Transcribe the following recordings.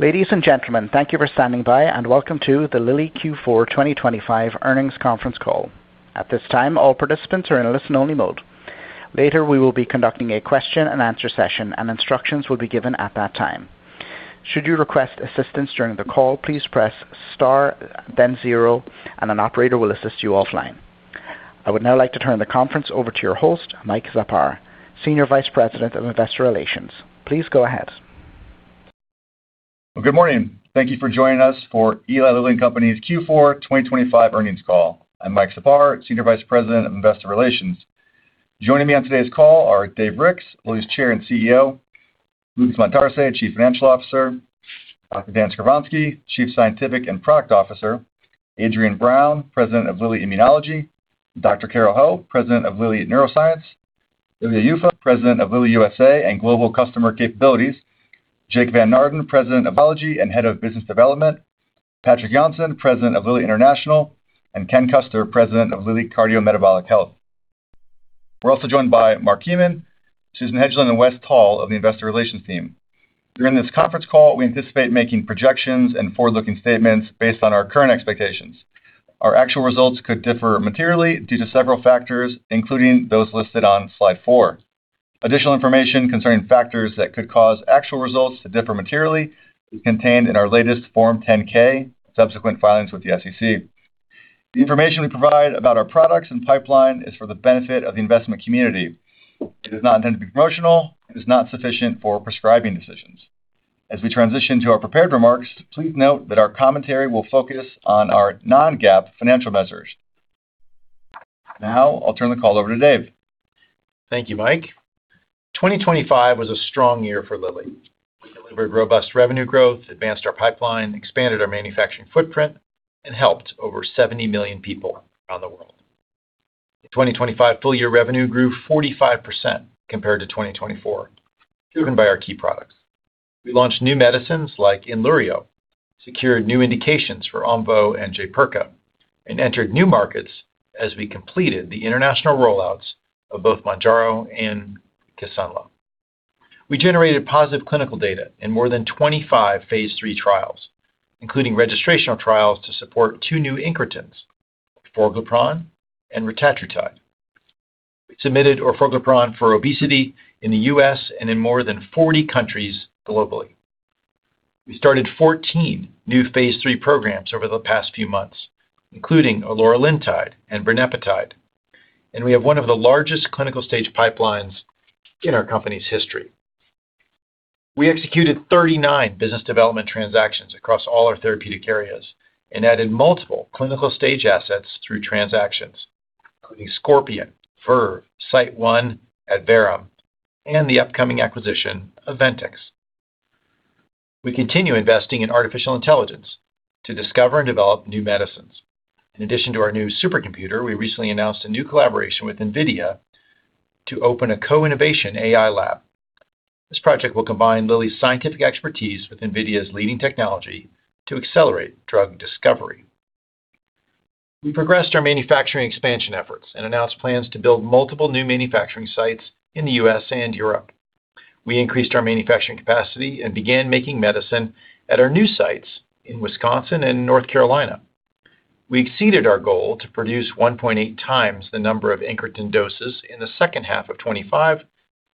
Ladies and gentlemen, thank you for standing by, and welcome to the Lilly Q4 2025 Earnings Conference Call. At this time, all participants are in listen-only mode. Later, we will be conducting a question-and-answer session, and instructions will be given at that time. Should you request assistance during the call, please press star, then zero, and an operator will assist you offline. I would now like to turn the conference over to your host, Mike Czapar, Senior Vice President of Investor Relations. Please go ahead. Well, good morning. Thank you for joining us for Eli Lilly and Company's Q4 2025 earnings call. I'm Mike Czapar, Senior Vice President of Investor Relations. Joining me on today's call are Dave Ricks, Lilly's Chair and CEO, Lucas Montarce, Chief Financial Officer, Dr. Dan Skovronsky, Chief Scientific and Product Officer, Adrienne Brown, President of Lilly Immunology, Dr. Carole Ho, President of Lilly Neuroscience, Ilya Yuffa, President of Lilly USA and Global Customer Capabilities, Jake Van Naarden, President of Biology and Head of Business Development, Patrik Jonsson, President of Lilly International, and Ken Custer, President of Lilly Cardiometabolic Health. We're also joined by Marc Kemen, Susan Hedglin, and Wes Taul of the Investor Relations team. During this conference call, we anticipate making projections and forward-looking statements based on our current expectations. Our actual results could differ materially due to several factors, including those listed on slide four. Additional information concerning factors that could cause actual results to differ materially is contained in our latest Form 10-K, subsequent filings with the SEC. The information we provide about our products and pipeline is for the benefit of the investment community. It is not intended to be promotional and is not sufficient for prescribing decisions. As we transition to our prepared remarks, please note that our commentary will focus on our non-GAAP financial measures. Now, I'll turn the call over to Dave. Thank you, Mike. 2025 was a strong year for Lilly. We delivered robust revenue growth, advanced our pipeline, expanded our manufacturing footprint, and helped over 70 million people around the world. In 2025, full-year revenue grew 45% compared to 2024, driven by our key products. We launched new medicines like Inluriyo, secured new indications for Omvoh and Jaypirca, and entered new markets as we completed the international rollouts of both Mounjaro and Kisunla. We generated positive clinical data in more than 25 phase III trials, including registrational trials to support two new incretins, Orforglipron and Retatrutide. We submitted Orforglipron for obesity in the U.S. and in more than 40 countries globally. We started 14 new phase III programs over the past few months, including Orforglipron and Tirzepatide, and we have one of the largest clinical stage pipelines in our company's history. We executed 39 business development transactions across all our therapeutic areas and added multiple clinical stage assets through transactions, including Scorpion, Verve, SiteOne, Adverum, and the upcoming acquisition of Ventyx. We continue investing in artificial intelligence to discover and develop new medicines. In addition to our new supercomputer, we recently announced a new collaboration with NVIDIA to open a co-innovation AI lab. This project will combine Lilly's scientific expertise with NVIDIA's leading technology to accelerate drug discovery. We progressed our manufacturing expansion efforts and announced plans to build multiple new manufacturing sites in the U.S. and Europe. We increased our manufacturing capacity and began making medicine at our new sites in Wisconsin and North Carolina. We exceeded our goal to produce 1.8 times the number of incretin doses in the second half of 2025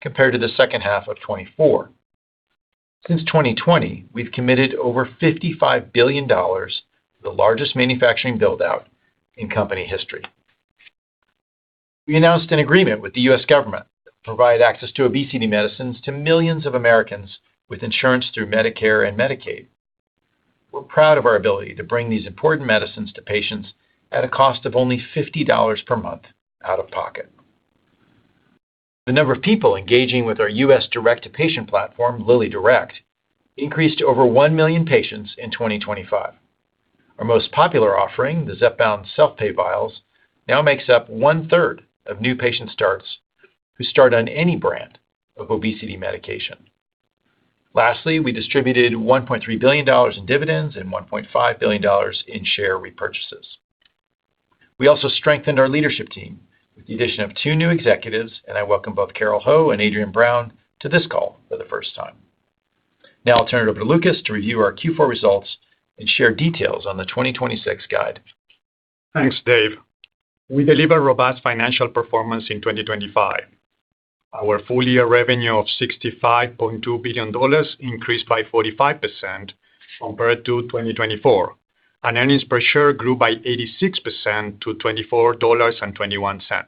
compared to the second half of 2024. Since 2020, we've committed over $55 billion, the largest manufacturing build-out in company history. We announced an agreement with the U.S. government to provide access to obesity medicines to millions of Americans with insurance through Medicare and Medicaid. We're proud of our ability to bring these important medicines to patients at a cost of only $50 per month out of pocket. The number of people engaging with our U.S. direct-to-patient platform, LillyDirect, increased to over 1 million patients in 2025. Our most popular offering, the Zepbound self-pay vials, now makes up one-third of new patient starts who start on any brand of obesity medication. Lastly, we distributed $1.3 billion in dividends and $1.5 billion in share repurchases. We also strengthened our leadership team with the addition of two new executives, and I welcome both Carole Ho and Adrienne Brown to this call for the first time. Now I'll turn it over to Lucas to review our Q4 results and share details on the 2026 guide. Thanks, Dave. We delivered robust financial performance in 2025. Our full-year revenue of $65.2 billion increased by 45% compared to 2024, and earnings per share grew by 86% to $24.21.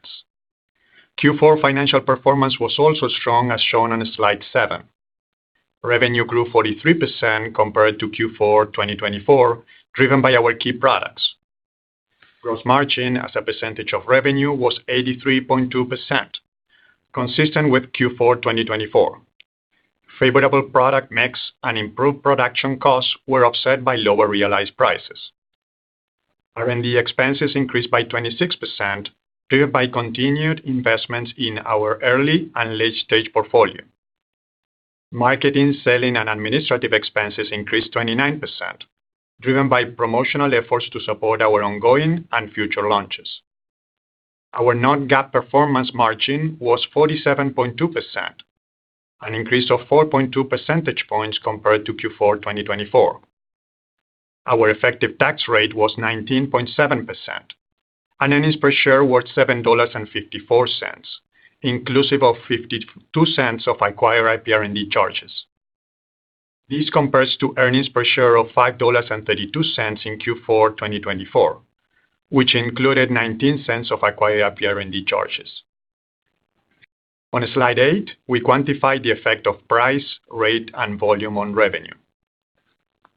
Q4 financial performance was also strong, as shown on slide seven. Revenue grew 43% compared to Q4 2024, driven by our key products. Gross margin as a percentage of revenue was 83.2%, consistent with Q4 2024. Favorable product mix and improved production costs were offset by lower realized prices. R&D expenses increased by 26%, driven by continued investments in our early and late-stage portfolio. Marketing, selling, and administrative expenses increased 29%, driven by promotional efforts to support our ongoing and future launches.... Our non-GAAP performance margin was 47.2%, an increase of 4.2 percentage points compared to Q4 2024. Our effective tax rate was 19.7%, and earnings per share were $7.54, inclusive of $0.52 of acquired IPR&D charges. This compares to earnings per share of $5.32 in Q4 2024, which included $0.19 of acquired IPR&D charges. On Slide 8, we quantify the effect of price, rate, and volume on revenue.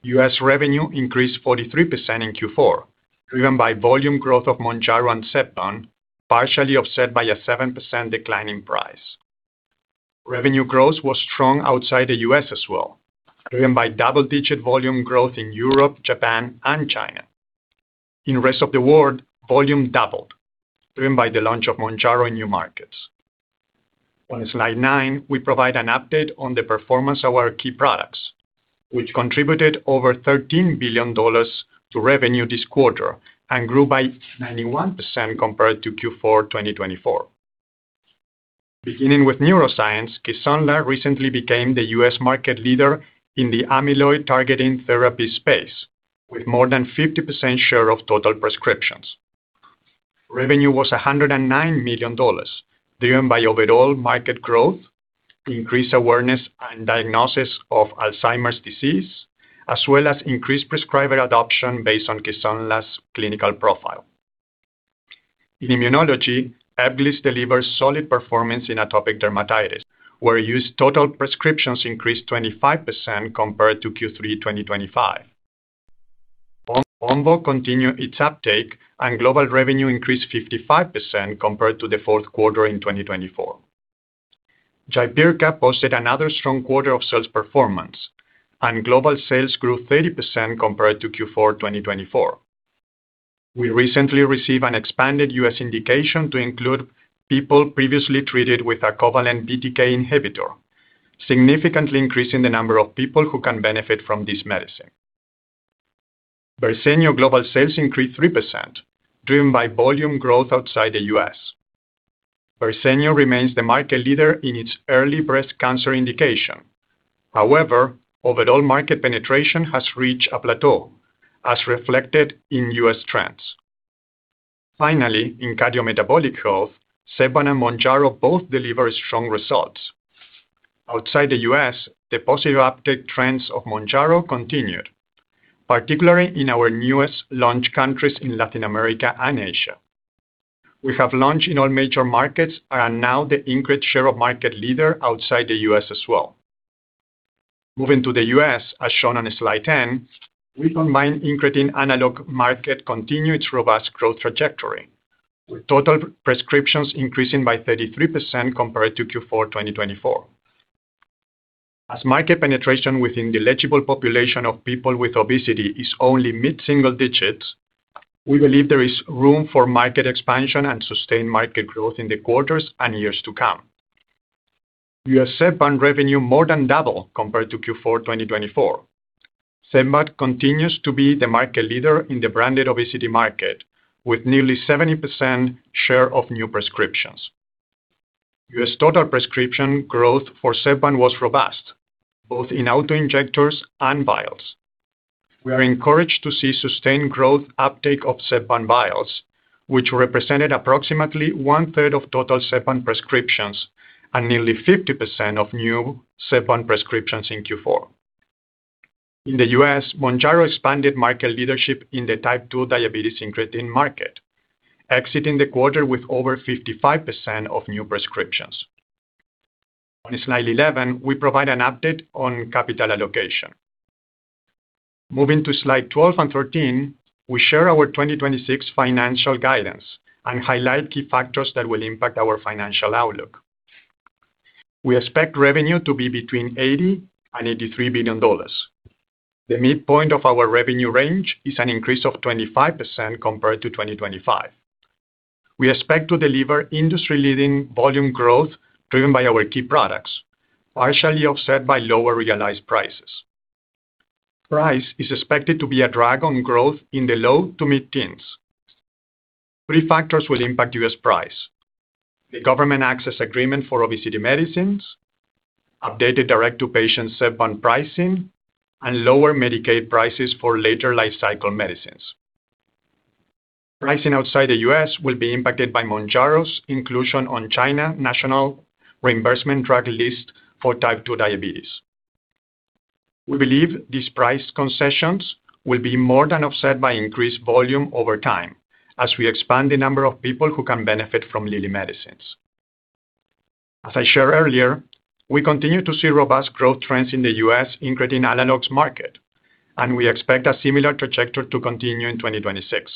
U.S. revenue increased 43% in Q4, driven by volume growth of Mounjaro and Zepbound, partially offset by a 7% decline in price. Revenue growth was strong outside the U.S. as well, driven by double-digit volume growth in Europe, Japan, and China. In rest of the world, volume doubled, driven by the launch of Mounjaro in new markets. On slide nine, we provide an update on the performance of our key products, which contributed over $13 billion to revenue this quarter and grew by 91% compared to Q4 2024. Beginning with neuroscience, Kisunla recently became the U.S. market leader in the amyloid-targeting therapy space, with more than 50% share of total prescriptions. Revenue was $109 million, driven by overall market growth, increased awareness and diagnosis of Alzheimer's disease, as well as increased prescriber adoption based on Kisunla's clinical profile. In immunology, Ebglyss delivers solid performance in atopic dermatitis, where total prescriptions increased 25% compared to Q3 2025. Omvoh continued its uptake, and global revenue increased 55% compared to the fourth quarter in 2024. Jaypirca posted another strong quarter of sales performance, and global sales grew 30% compared to Q4 2024. We recently received an expanded U.S. indication to include people previously treated with a covalent BTK inhibitor, significantly increasing the number of people who can benefit from this medicine. Verzenio global sales increased 3%, driven by volume growth outside the U.S. Verzenio remains the market leader in its early breast cancer indication. However, overall market penetration has reached a plateau, as reflected in U.S. trends. Finally, in cardiometabolic health, Zepbound and Mounjaro both delivered strong results. Outside the U.S., the positive uptake trends of Mounjaro continued, particularly in our newest launch countries in Latin America and Asia. We have launched in all major markets and are now the increased share of market leader outside the U.S. as well. Moving to the U.S., as shown on slide 10, our combined incretin analog market continues its robust growth trajectory, with total prescriptions increasing by 33% compared to Q4 2024. As market penetration within the eligible population of people with obesity is only mid-single digits, we believe there is room for market expansion and sustained market growth in the quarters and years to come. U.S. Zepbound revenue more than doubled compared to Q4 2024. Zepbound continues to be the market leader in the branded obesity market, with nearly 70% share of new prescriptions. U.S. total prescription growth for Zepbound was robust, both in auto-injectors and vials. We are encouraged to see sustained growth uptake of Zepbound vials, which represented approximately one-third of total Zepbound prescriptions and nearly 50% of new Zepbound prescriptions in Q4. In the U.S., Mounjaro expanded market leadership in the type 2 diabetes incretin market, exiting the quarter with over 55% of new prescriptions. On slide 11, we provide an update on capital allocation. Moving to slide 12 and 13, we share our 2026 financial guidance and highlight key factors that will impact our financial outlook. We expect revenue to be between $80 billion and $83 billion. The midpoint of our revenue range is an increase of 25% compared to 2025. We expect to deliver industry-leading volume growth driven by our key products, partially offset by lower realized prices. Price is expected to be a drag on growth in the low to mid-teens. Three factors will impact U.S. price: the government access agreement for obesity medicines, updated direct-to-patient Zepbound pricing, and lower Medicaid prices for later lifecycle medicines. Pricing outside the U.S. will be impacted by Mounjaro's inclusion on China National Reimbursement Drug List for type 2 diabetes. We believe these price concessions will be more than offset by increased volume over time as we expand the number of people who can benefit from Lilly medicines. As I shared earlier, we continue to see robust growth trends in the U.S. incretin analogs market, and we expect a similar trajectory to continue in 2026.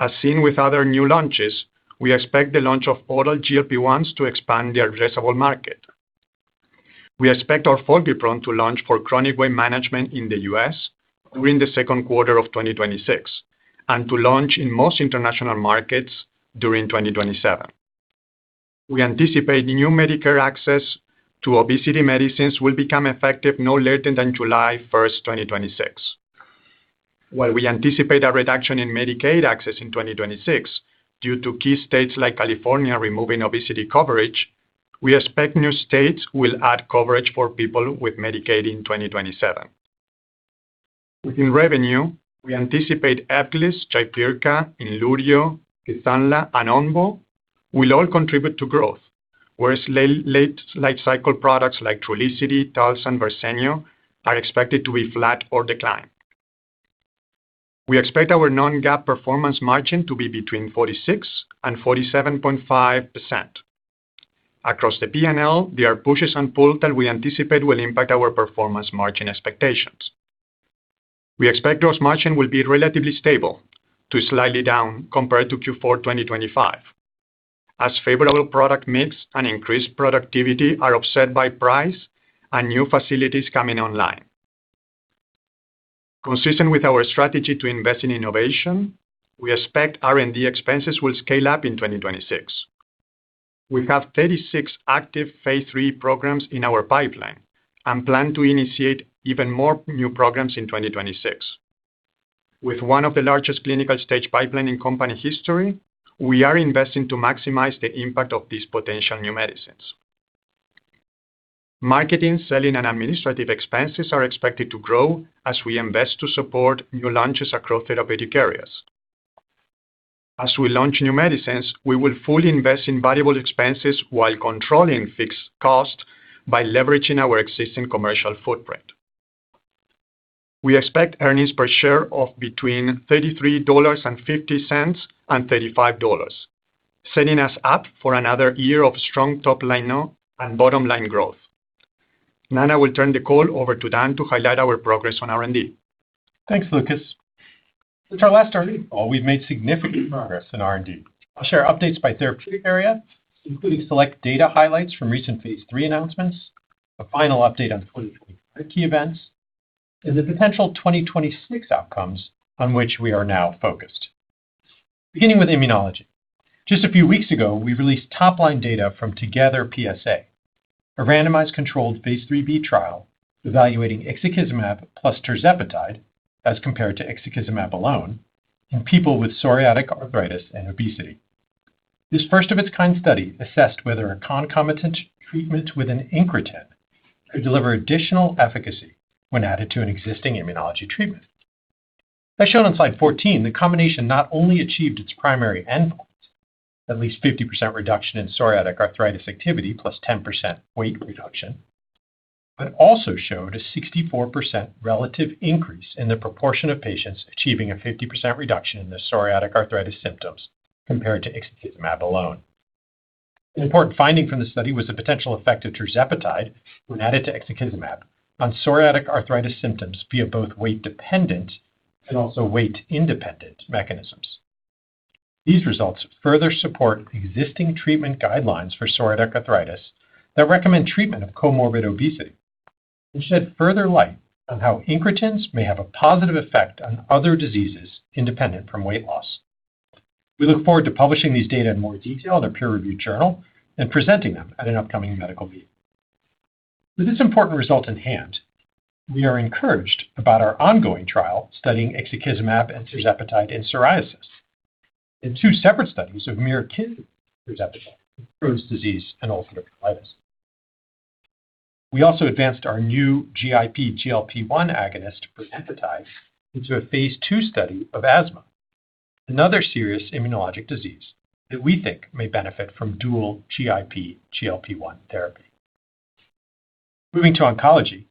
As seen with other new launches, we expect the launch of oral GLP-1s to expand the addressable market. We expect our Orforglipron to launch for chronic weight management in the U.S. during the second quarter of 2026, and to launch in most international markets during 2027. We anticipate new Medicare access to obesity medicines will become effective no later than July 1, 2026. While we anticipate a reduction in Medicaid access in 2026 due to key states like California removing obesity coverage, we expect new states will add coverage for people with Medicaid in 2027. Within revenue, we anticipate Ebglyss, Jaypirca, Inluriyo, Kisunla, and Omvoh will all contribute to growth, whereas late-life cycle products like Trulicity, Taltz, Verzenio are expected to be flat or decline. We expect our non-GAAP performance margin to be between 46% and 47.5%. Across the P&L, there are pushes and pulls that we anticipate will impact our performance margin expectations. We expect gross margin will be relatively stable to slightly down compared to Q4 2025, as favorable product mix and increased productivity are offset by price and new facilities coming online. Consistent with our strategy to invest in innovation, we expect R&D expenses will scale up in 2026. We have 36 active phase III programs in our pipeline and plan to initiate even more new programs in 2026. With one of the largest clinical stage pipeline in company history, we are investing to maximize the impact of these potential new medicines. Marketing, selling, and administrative expenses are expected to grow as we invest to support new launches across therapeutic areas. As we launch new medicines, we will fully invest in variable expenses while controlling fixed costs by leveraging our existing commercial footprint. We expect earnings per share of between $33.50 and $35, setting us up for another year of strong top-line now and bottom line growth. Now, I will turn the call over to Dan to highlight our progress on R&D. Thanks, Lucas. Since our last earnings call, we've made significant progress in R&D. I'll share updates by therapeutic area, including select data highlights from recent phase III announcements, a final update on 2023 key events, and the potential 2026 outcomes on which we are now focused. Beginning with immunology, just a few weeks ago, we released top-line data from TOGETHER-PsA, a randomized, phase III-B trial evaluating Ixekizumab plus Tirzepatide, as compared to Ixekizumab alone, in people with psoriatic arthritis and obesity. This first-of-its-kind study assessed whether a concomitant treatment with an incretin could deliver additional efficacy when added to an existing immunology treatment. As shown on slide 14, the combination not only achieved its primary endpoint, at least 50% reduction in psoriatic arthritis activity plus 10% weight reduction, but also showed a 64% relative increase in the proportion of patients achieving a 50% reduction in their psoriatic arthritis symptoms compared to ixekizumab alone. An important finding from the study was the potential effect of tirzepatide when added to ixekizumab on psoriatic arthritis symptoms via both weight-dependent and also weight-independent mechanisms. These results further support existing treatment guidelines for psoriatic arthritis that recommend treatment of comorbid obesity and shed further light on how incretins may have a positive effect on other diseases independent from weight loss. We look forward to publishing these data in more detail in a peer-reviewed journal and presenting them at an upcoming medical meeting. With this important result in hand, we are encouraged about our ongoing trial studying ixekizumab and tirzepatide in psoriasis. In two separate studies of mirikizumab, tirzepatide, Crohn's disease, and ulcerative colitis. We also advanced our new GIP/GLP-1 agonist, tirzepatide, into a phase II study of asthma, another serious immunologic disease that we think may benefit from dual GIP/GLP-1 therapy. Moving to oncology,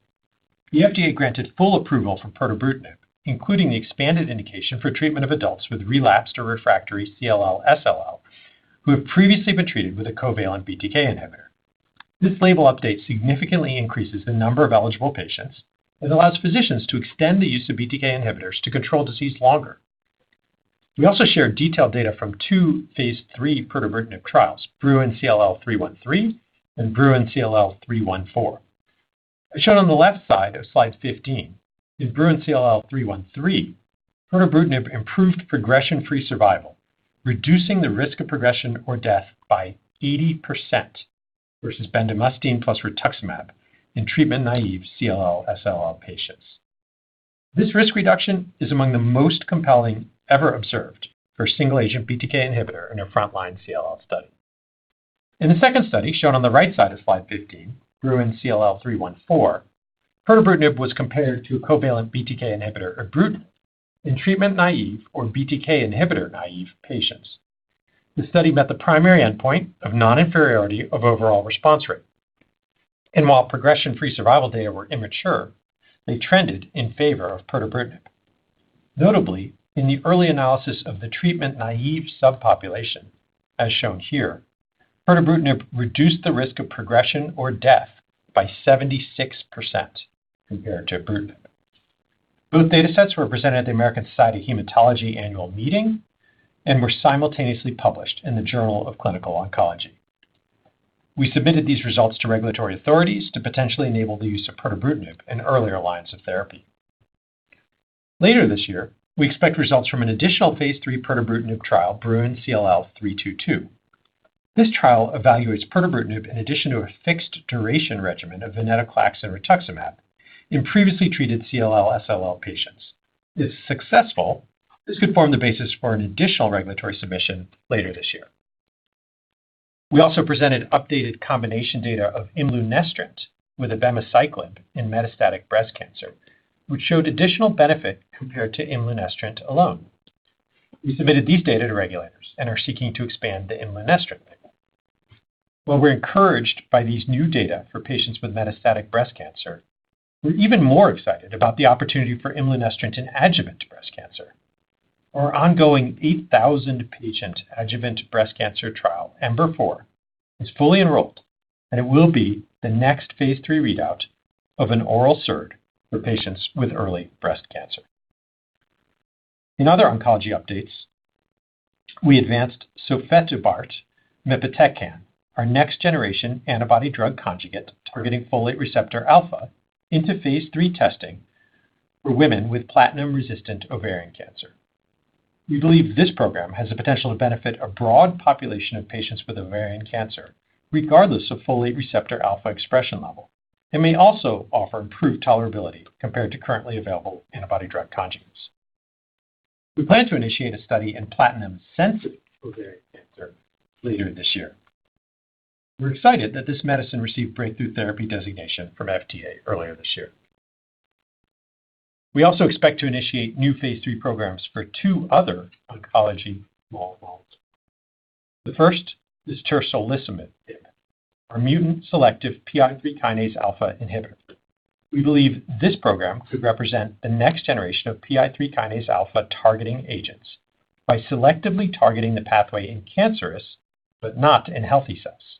the FDA granted full approval for pirtobrutinib, including the expanded indication for treatment of adults with relapsed or refractory CLL/SLL, who have previously been treated with a covalent BTK inhibitor. This label update significantly increases the number of eligible patients and allows physicians to extend the use of BTK inhibitors to control disease longer. We also shared detailed data from two phase III pirtobrutinib trials, BRUIN CLL-313, and BRUIN CLL-314. As shown on the left side of slide 15, in BRUIN CLL-313, pirtobrutinib improved progression-free survival, reducing the risk of progression or death by 80% versus bendamustine plus rituximab in treatment-naive CLL/SLL patients. This risk reduction is among the most compelling ever observed for a single-agent BTK inhibitor in a frontline CLL study. In the second study, shown on the right side of slide 15, BRUIN CLL-314, pirtobrutinib was compared to a covalent BTK inhibitor, ibrutinib, in treatment-naive or BTK inhibitor-naive patients. The study met the primary endpoint of non-inferiority of overall response rate, and while progression-free survival data were immature, they trended in favor of pirtobrutinib. Notably, in the early analysis of the treatment-naive subpopulation, as shown here, pirtobrutinib reduced the risk of progression or death by 76% compared to ibrutinib. Both datasets were presented at the American Society of Hematology Annual Meeting and were simultaneously published in the Journal of Clinical Oncology. We submitted these results to regulatory authorities to potentially enable the use of Pirtobrutinib in earlier lines of therapy. Later this year, we expect results from an additional phase III Pirtobrutinib trial, BRUIN CLL-322. This trial evaluates Pirtobrutinib in addition to a fixed-duration regimen of Venetoclax and Rituximab in previously treated CLL/SLL patients. If successful, this could form the basis for an additional regulatory submission later this year. We also presented updated combination data of Imlunestrant with Abemaciclib in metastatic breast cancer, which showed additional benefit compared to Imlunestrant alone. We submitted these data to regulators and are seeking to expand the Imlunestrant label. While we're encouraged by these new data for patients with metastatic breast cancer, we're even more excited about the opportunity for Imlunestrant in adjuvant breast cancer. Our ongoing 8,000-patient adjuvant breast cancer trial, EMBER-4, is fully enrolled, and it will be the next phase III readout of an oral SERD for patients with early breast cancer. In other oncology updates, we advanced Sofetobart mepitecan, our next-generation antibody-drug conjugate, targeting folate receptor alpha into phase III testing for women with platinum-resistant ovarian cancer. We believe this program has the potential to benefit a broad population of patients with ovarian cancer, regardless of folate receptor alpha expression level, and may also offer improved tolerability compared to currently available antibody-drug conjugates. We plan to initiate a study in platinum-sensitive ovarian cancer later this year. We're excited that this medicine received breakthrough therapy designation from FDA earlier this year. We also expect to initiate new phase III programs for two other oncology molecules. The first is Tersolisimab, our mutant-selective PI3K alpha inhibitor. We believe this program could represent the next generation of PI3K alpha-targeting agents by selectively targeting the pathway in cancerous, but not in healthy cells,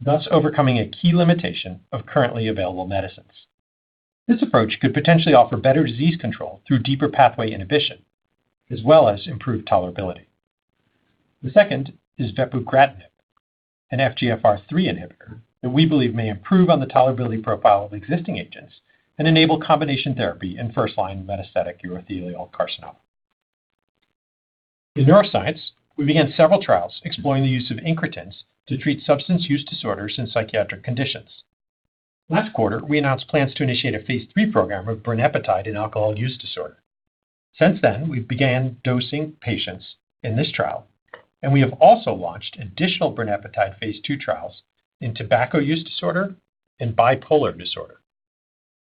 thus overcoming a key limitation of currently available medicines. This approach could potentially offer better disease control through deeper pathway inhibition, as well as improved tolerability. The second is Vepugratinib, an FGFR3 inhibitor that we believe may improve on the tolerability profile of existing agents and enable combination therapy in first-line metastatic urothelial carcinoma. In neuroscience, we began several trials exploring the use of incretins to treat substance use disorders and psychiatric conditions. Last quarter, we announced plans to initiate a phase III program of Brenipatide in alcohol use disorder. Since then, we've began dosing patients in this trial, and we have also launched additional Brenipatide phase II trials in tobacco use disorder and bipolar disorder.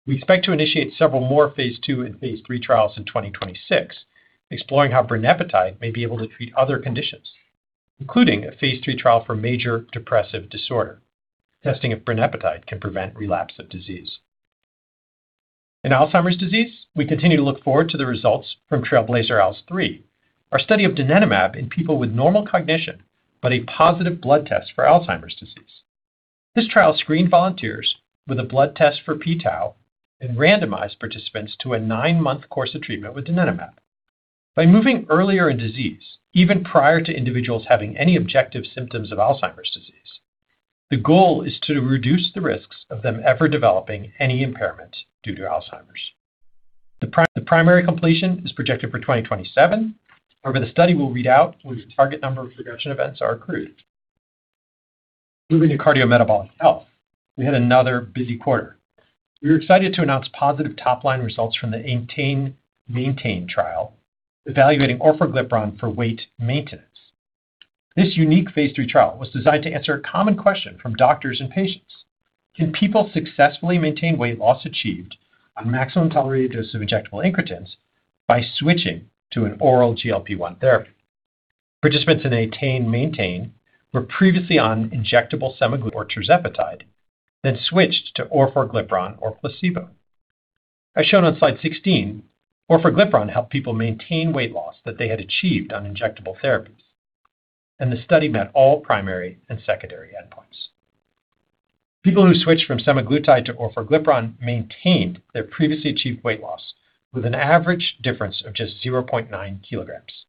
We expect to initiate several more phase II and phase III trials in 2026, exploring how Brenipatide may be able to treat other conditions, including a phase III trial for major depressive disorder, testing if Brenipatide can prevent relapse of disease. In Alzheimer's disease, we continue to look forward to the results from TRAILBLAZER-ALZ 3, our study of donanemab in people with normal cognition but a positive blood test for Alzheimer's disease. This trial screened volunteers with a blood test for p-tau and randomized participants to a nine-month course of treatment with donanemab. By moving earlier in disease, even prior to individuals having any objective symptoms of Alzheimer's disease, the goal is to reduce the risks of them ever developing any impairment due to Alzheimer's. The primary completion is projected for 2027. However, the study will read out when the target number of reduction events are accrued. Moving to cardiometabolic health, we had another busy quarter. We were excited to announce positive top-line results from the MAINTAIN trial, evaluating Orforglipron for weight maintenance. This unique phase III trial was designed to answer a common question from doctors and patients: Can people successfully maintain weight loss achieved on maximum tolerated dose of injectable incretins by switching to an oral GLP-1 therapy? Participants in MAINTAIN were previously on injectable Semaglutide or Tirzepatide, then switched to Orforglipron or placebo. As shown on slide 16, Orforglipron helped people maintain weight loss that they had achieved on injectable therapies, and the study met all primary and secondary endpoints. People who switched from Semaglutide to Orforglipron maintained their previously achieved weight loss with an average difference of just 0.9 kilograms.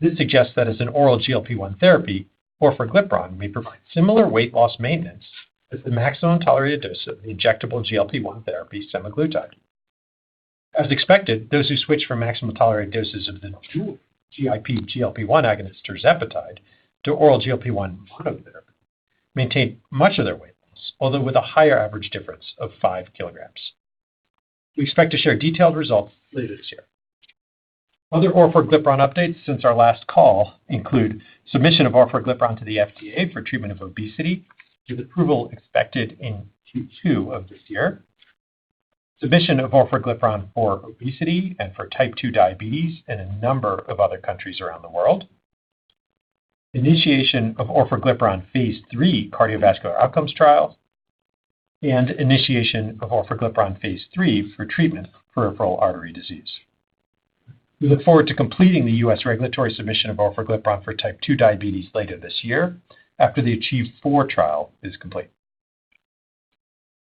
This suggests that as an oral GLP-1 therapy, Orforglipron may provide similar weight loss maintenance as the maximum tolerated dose of the injectable GLP-1 therapy semaglutide. As expected, those who switched from maximum tolerated doses of the dual GIP/GLP-1 agonist tirzepatide to oral GLP-1 monotherapy, maintained much of their weight loss, although with a higher average difference of five kilograms. We expect to share detailed results later this year. Other Orforglipron updates since our last call include submission of Orforglipron to the FDA for treatment of obesity, with approval expected in Q2 of this year. Submission of Orforglipron for obesity and for type 2 diabetes in a number of other countries around the world. Initiation of Orforglipron phase III cardiovascular outcomes trial, and initiation of Orforglipron phase III for treatment for peripheral artery disease. We look forward to completing the U.S. regulatory submission of orforglipron for type 2 diabetes later this year after the ACHIEVE-4 trial is complete.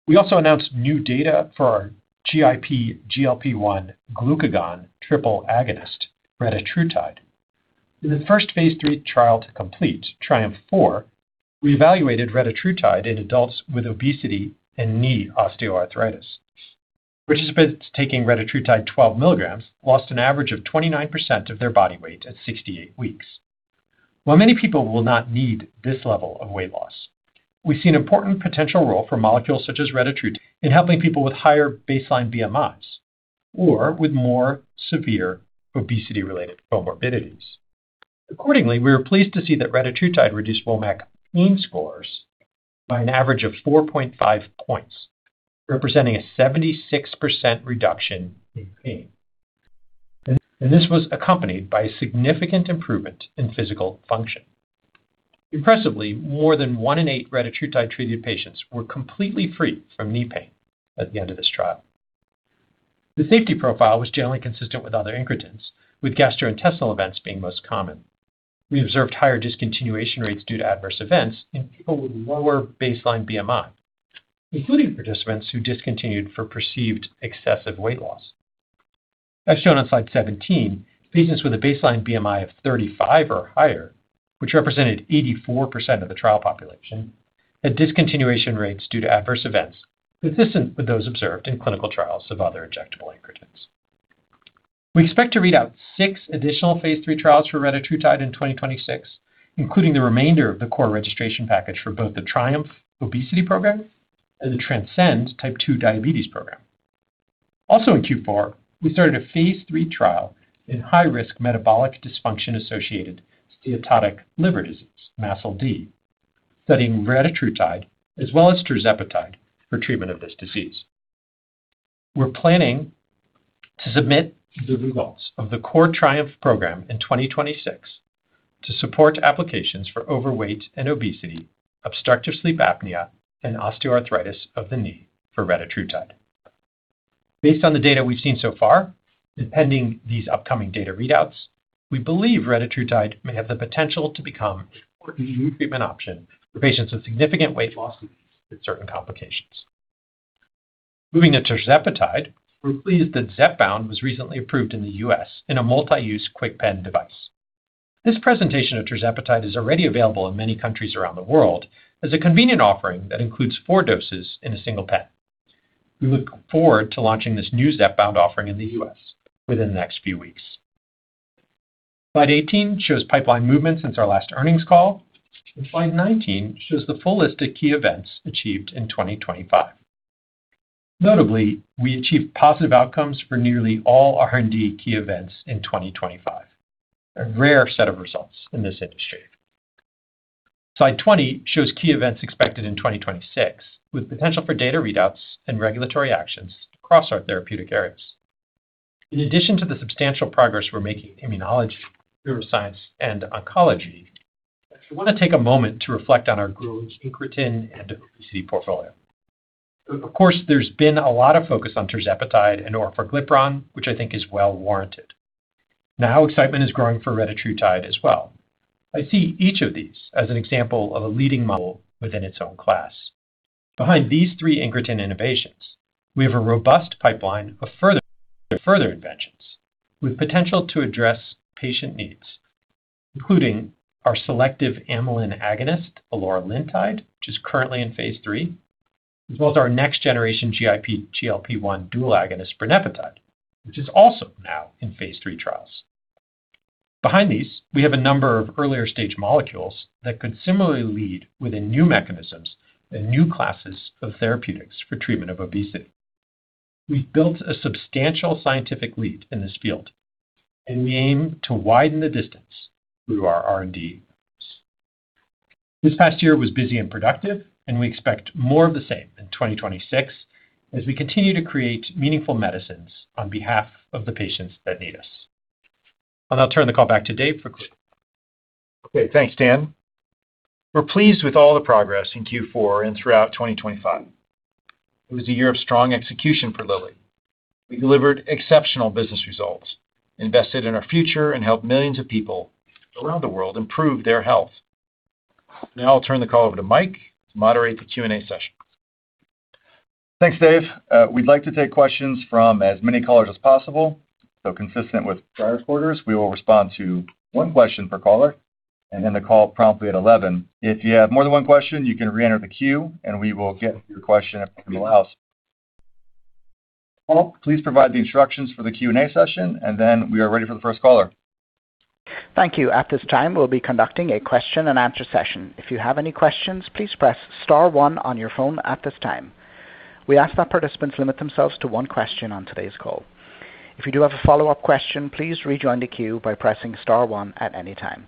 We also announced new data for our GIP, GLP-1, glucagon, triple agonist, retatrutide. In the first phase III trial to complete, TRIUMPH-4, we evaluated retatrutide in adults with obesity and knee osteoarthritis. Participants taking retatrutide 12 milligrams lost an average of 29% of their body weight at 68 weeks. While many people will not need this level of weight loss, we see an important potential role for molecules such as retatrutide in helping people with higher baseline BMIs or with more severe obesity-related comorbidities. Accordingly, we were pleased to see that retatrutide reduced pain scores by an average of 4.5 points, representing a 76% reduction in pain, and this was accompanied by significant improvement in physical function. Impressively, more than 1 in 8 Retatrutide-treated patients were completely free from knee pain at the end of this trial. The safety profile was generally consistent with other incretins, with gastrointestinal events being most common. We observed higher discontinuation rates due to adverse events in people with lower baseline BMI, including participants who discontinued for perceived excessive weight loss. As shown on slide 17, patients with a baseline BMI of 35 or higher, which represented 84% of the trial population, had discontinuation rates due to adverse events, consistent with those observed in clinical trials of other injectable incretins. We expect to read out six additional phase III trials for Retatrutide in 2026, including the remainder of the core registration package for both the TRIUMPH obesity program and the TRANSCEND type 2 diabetes program. Also in Q4, we started a phase III trial in high-risk metabolic dysfunction-associated steatotic liver disease, MASLD, studying retatrutide as well as tirzepatide for treatment of this disease. We're planning to submit the results of the core TRIUMPH program in 2026 to support applications for overweight and obesity, obstructive sleep apnea, and osteoarthritis of the knee for retatrutide. Based on the data we've seen so far, and pending these upcoming data readouts, we believe retatrutide may have the potential to become an important new treatment option for patients with significant weight loss with certain complications. Moving to tirzepatide, we're pleased that Zepbound was recently approved in the U.S. in a multi-use quick pen device. This presentation of tirzepatide is already available in many countries around the world as a convenient offering that includes 4 doses in a single pen. We look forward to launching this new Zepbound offering in the U.S. within the next few weeks. Slide 18 shows pipeline movement since our last earnings call, and slide 19 shows the full list of key events achieved in 2025. Notably, we achieved positive outcomes for nearly all R&D key events in 2025, a rare set of results in this industry. Slide 20 shows key events expected in 2026, with potential for data readouts and regulatory actions across our therapeutic areas. In addition to the substantial progress we're making in immunology, neuroscience, and oncology, I want to take a moment to reflect on our growing incretin and obesity portfolio. Of course, there's been a lot of focus on Tirzepatide and Orforglipron, which I think is well warranted. Now excitement is growing for Retatrutide as well. I see each of these as an example of a leading model within its own class. Behind these three incretin innovations, we have a robust pipeline of further inventions with potential to address patient needs, including our selective amylin agonist, Eloralintide, which is currently in phase III, as well as our next generation GIP, GLP-1 dual agonist Brenipatide, which is also now in phase III trials. Behind these, we have a number of earlier stage molecules that could similarly lead within new mechanisms and new classes of therapeutics for treatment of obesity. We've built a substantial scientific lead in this field, and we aim to widen the distance through our R&D. This past year was busy and productive, and we expect more of the same in 2026 as we continue to create meaningful medicines on behalf of the patients that need us. I'll now turn the call back to Dave for- Okay, thanks, Dan. We're pleased with all the progress in Q4 and throughout 2025. It was a year of strong execution for Lilly. We delivered exceptional business results, invested in our future, and helped millions of people around the world improve their health. Now I'll turn the call over to Mike to moderate the Q&A session. Thanks, Dave. We'd like to take questions from as many callers as possible. So consistent with prior quarters, we will respond to one question per caller and end the call promptly at eleven. If you have more than one question, you can reenter the queue and we will get to your question if time allows. Paul, please provide the instructions for the Q&A session, and then we are ready for the first caller. Thank you. At this time, we'll be conducting a question and answer session. If you have any questions, please press star one on your phone at this time. We ask that participants limit themselves to one question on today's call. If you do have a follow-up question, please rejoin the queue by pressing star one at any time.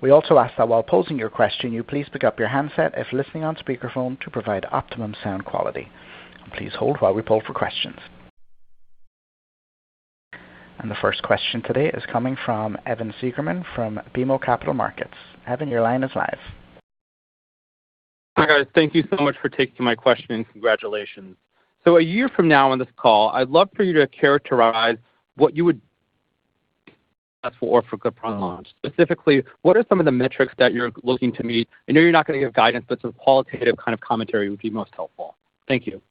We also ask that while posing your question, you please pick up your handset if listening on speakerphone to provide optimum sound quality. Please hold while we poll for questions. The first question today is coming from Evan Seigerman from BMO Capital Markets. Evan, your line is live. Hi, guys. Thank you so much for taking my question, and congratulations. A year from now on this call, I'd love for you to characterize what you would ask for or for good launch. Specifically, what are some of the metrics that you're looking to meet? I know you're not going to give guidance, but some qualitative kind of commentary would be most helpful. Thank you.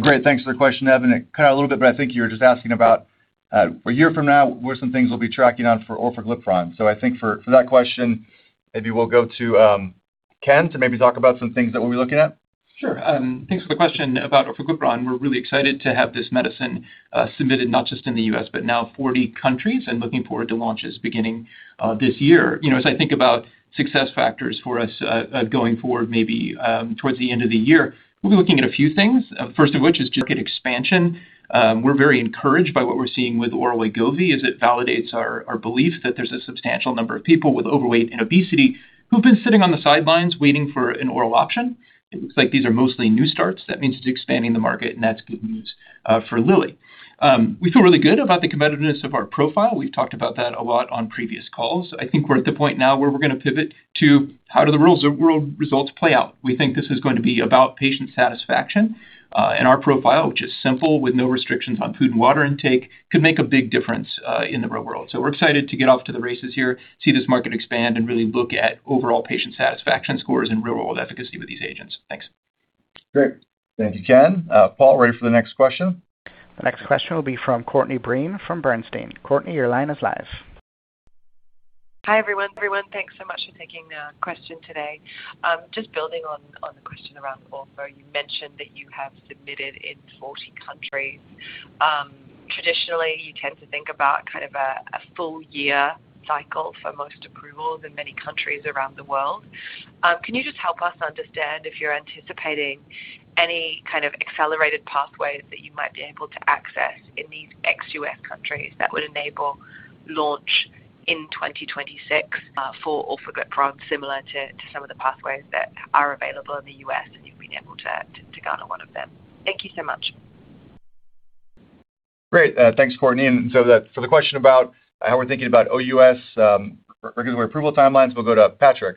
Great. Thanks for the question, Evan. It cut out a little bit, but I think you were just asking about a year from now, what are some things we'll be tracking on for orforglipron. So I think for that question, maybe we'll go to Ken to maybe talk about some things that we'll be looking at. Sure. Thanks for the question about orforglipron. We're really excited to have this medicine submitted, not just in the U.S., but now 40 countries, and looking forward to launches beginning this year. You know, as I think about success factors for us going forward, maybe towards the end of the year, we'll be looking at a few things, first of which is market expansion. We're very encouraged by what we're seeing with oral Wegovy, as it validates our belief that there's a substantial number of people with overweight and obesity who've been sitting on the sidelines waiting for an oral option. It looks like these are mostly new starts. That means it's expanding the market, and that's good news for Lilly. We feel really good about the competitiveness of our profile. We've talked about that a lot on previous calls. I think we're at the point now where we're going to pivot to how do the real-world results play out? We think this is going to be about patient satisfaction, and our profile, which is simple, with no restrictions on food and water intake, could make a big difference, in the real world. So we're excited to get off to the races here, see this market expand, and really look at overall patient satisfaction scores and real-world efficacy with these agents. Thanks. Great. Thank you, Ken. Paul, ready for the next question? The next question will be from Courtney Breen from Bernstein. Courtney, your line is live. Hi, everyone. Thanks so much for taking the question today. Just building on the question around orforglipron, you mentioned that you have submitted in 40 countries. Traditionally, you tend to think about kind of a full year cycle for most approvals in many countries around the world. Can you just help us understand if you're anticipating any kind of accelerated pathways that you might be able to access in these ex-U.S. countries that would enable launch in 2026 for orforglipron, similar to some of the pathways that are available in the U.S., and you've been able to garner one of them? Thank you so much. Great. Thanks, Courtney. And so, for the question about how we're thinking about OUS, regular approval timelines, we'll go to Patrik.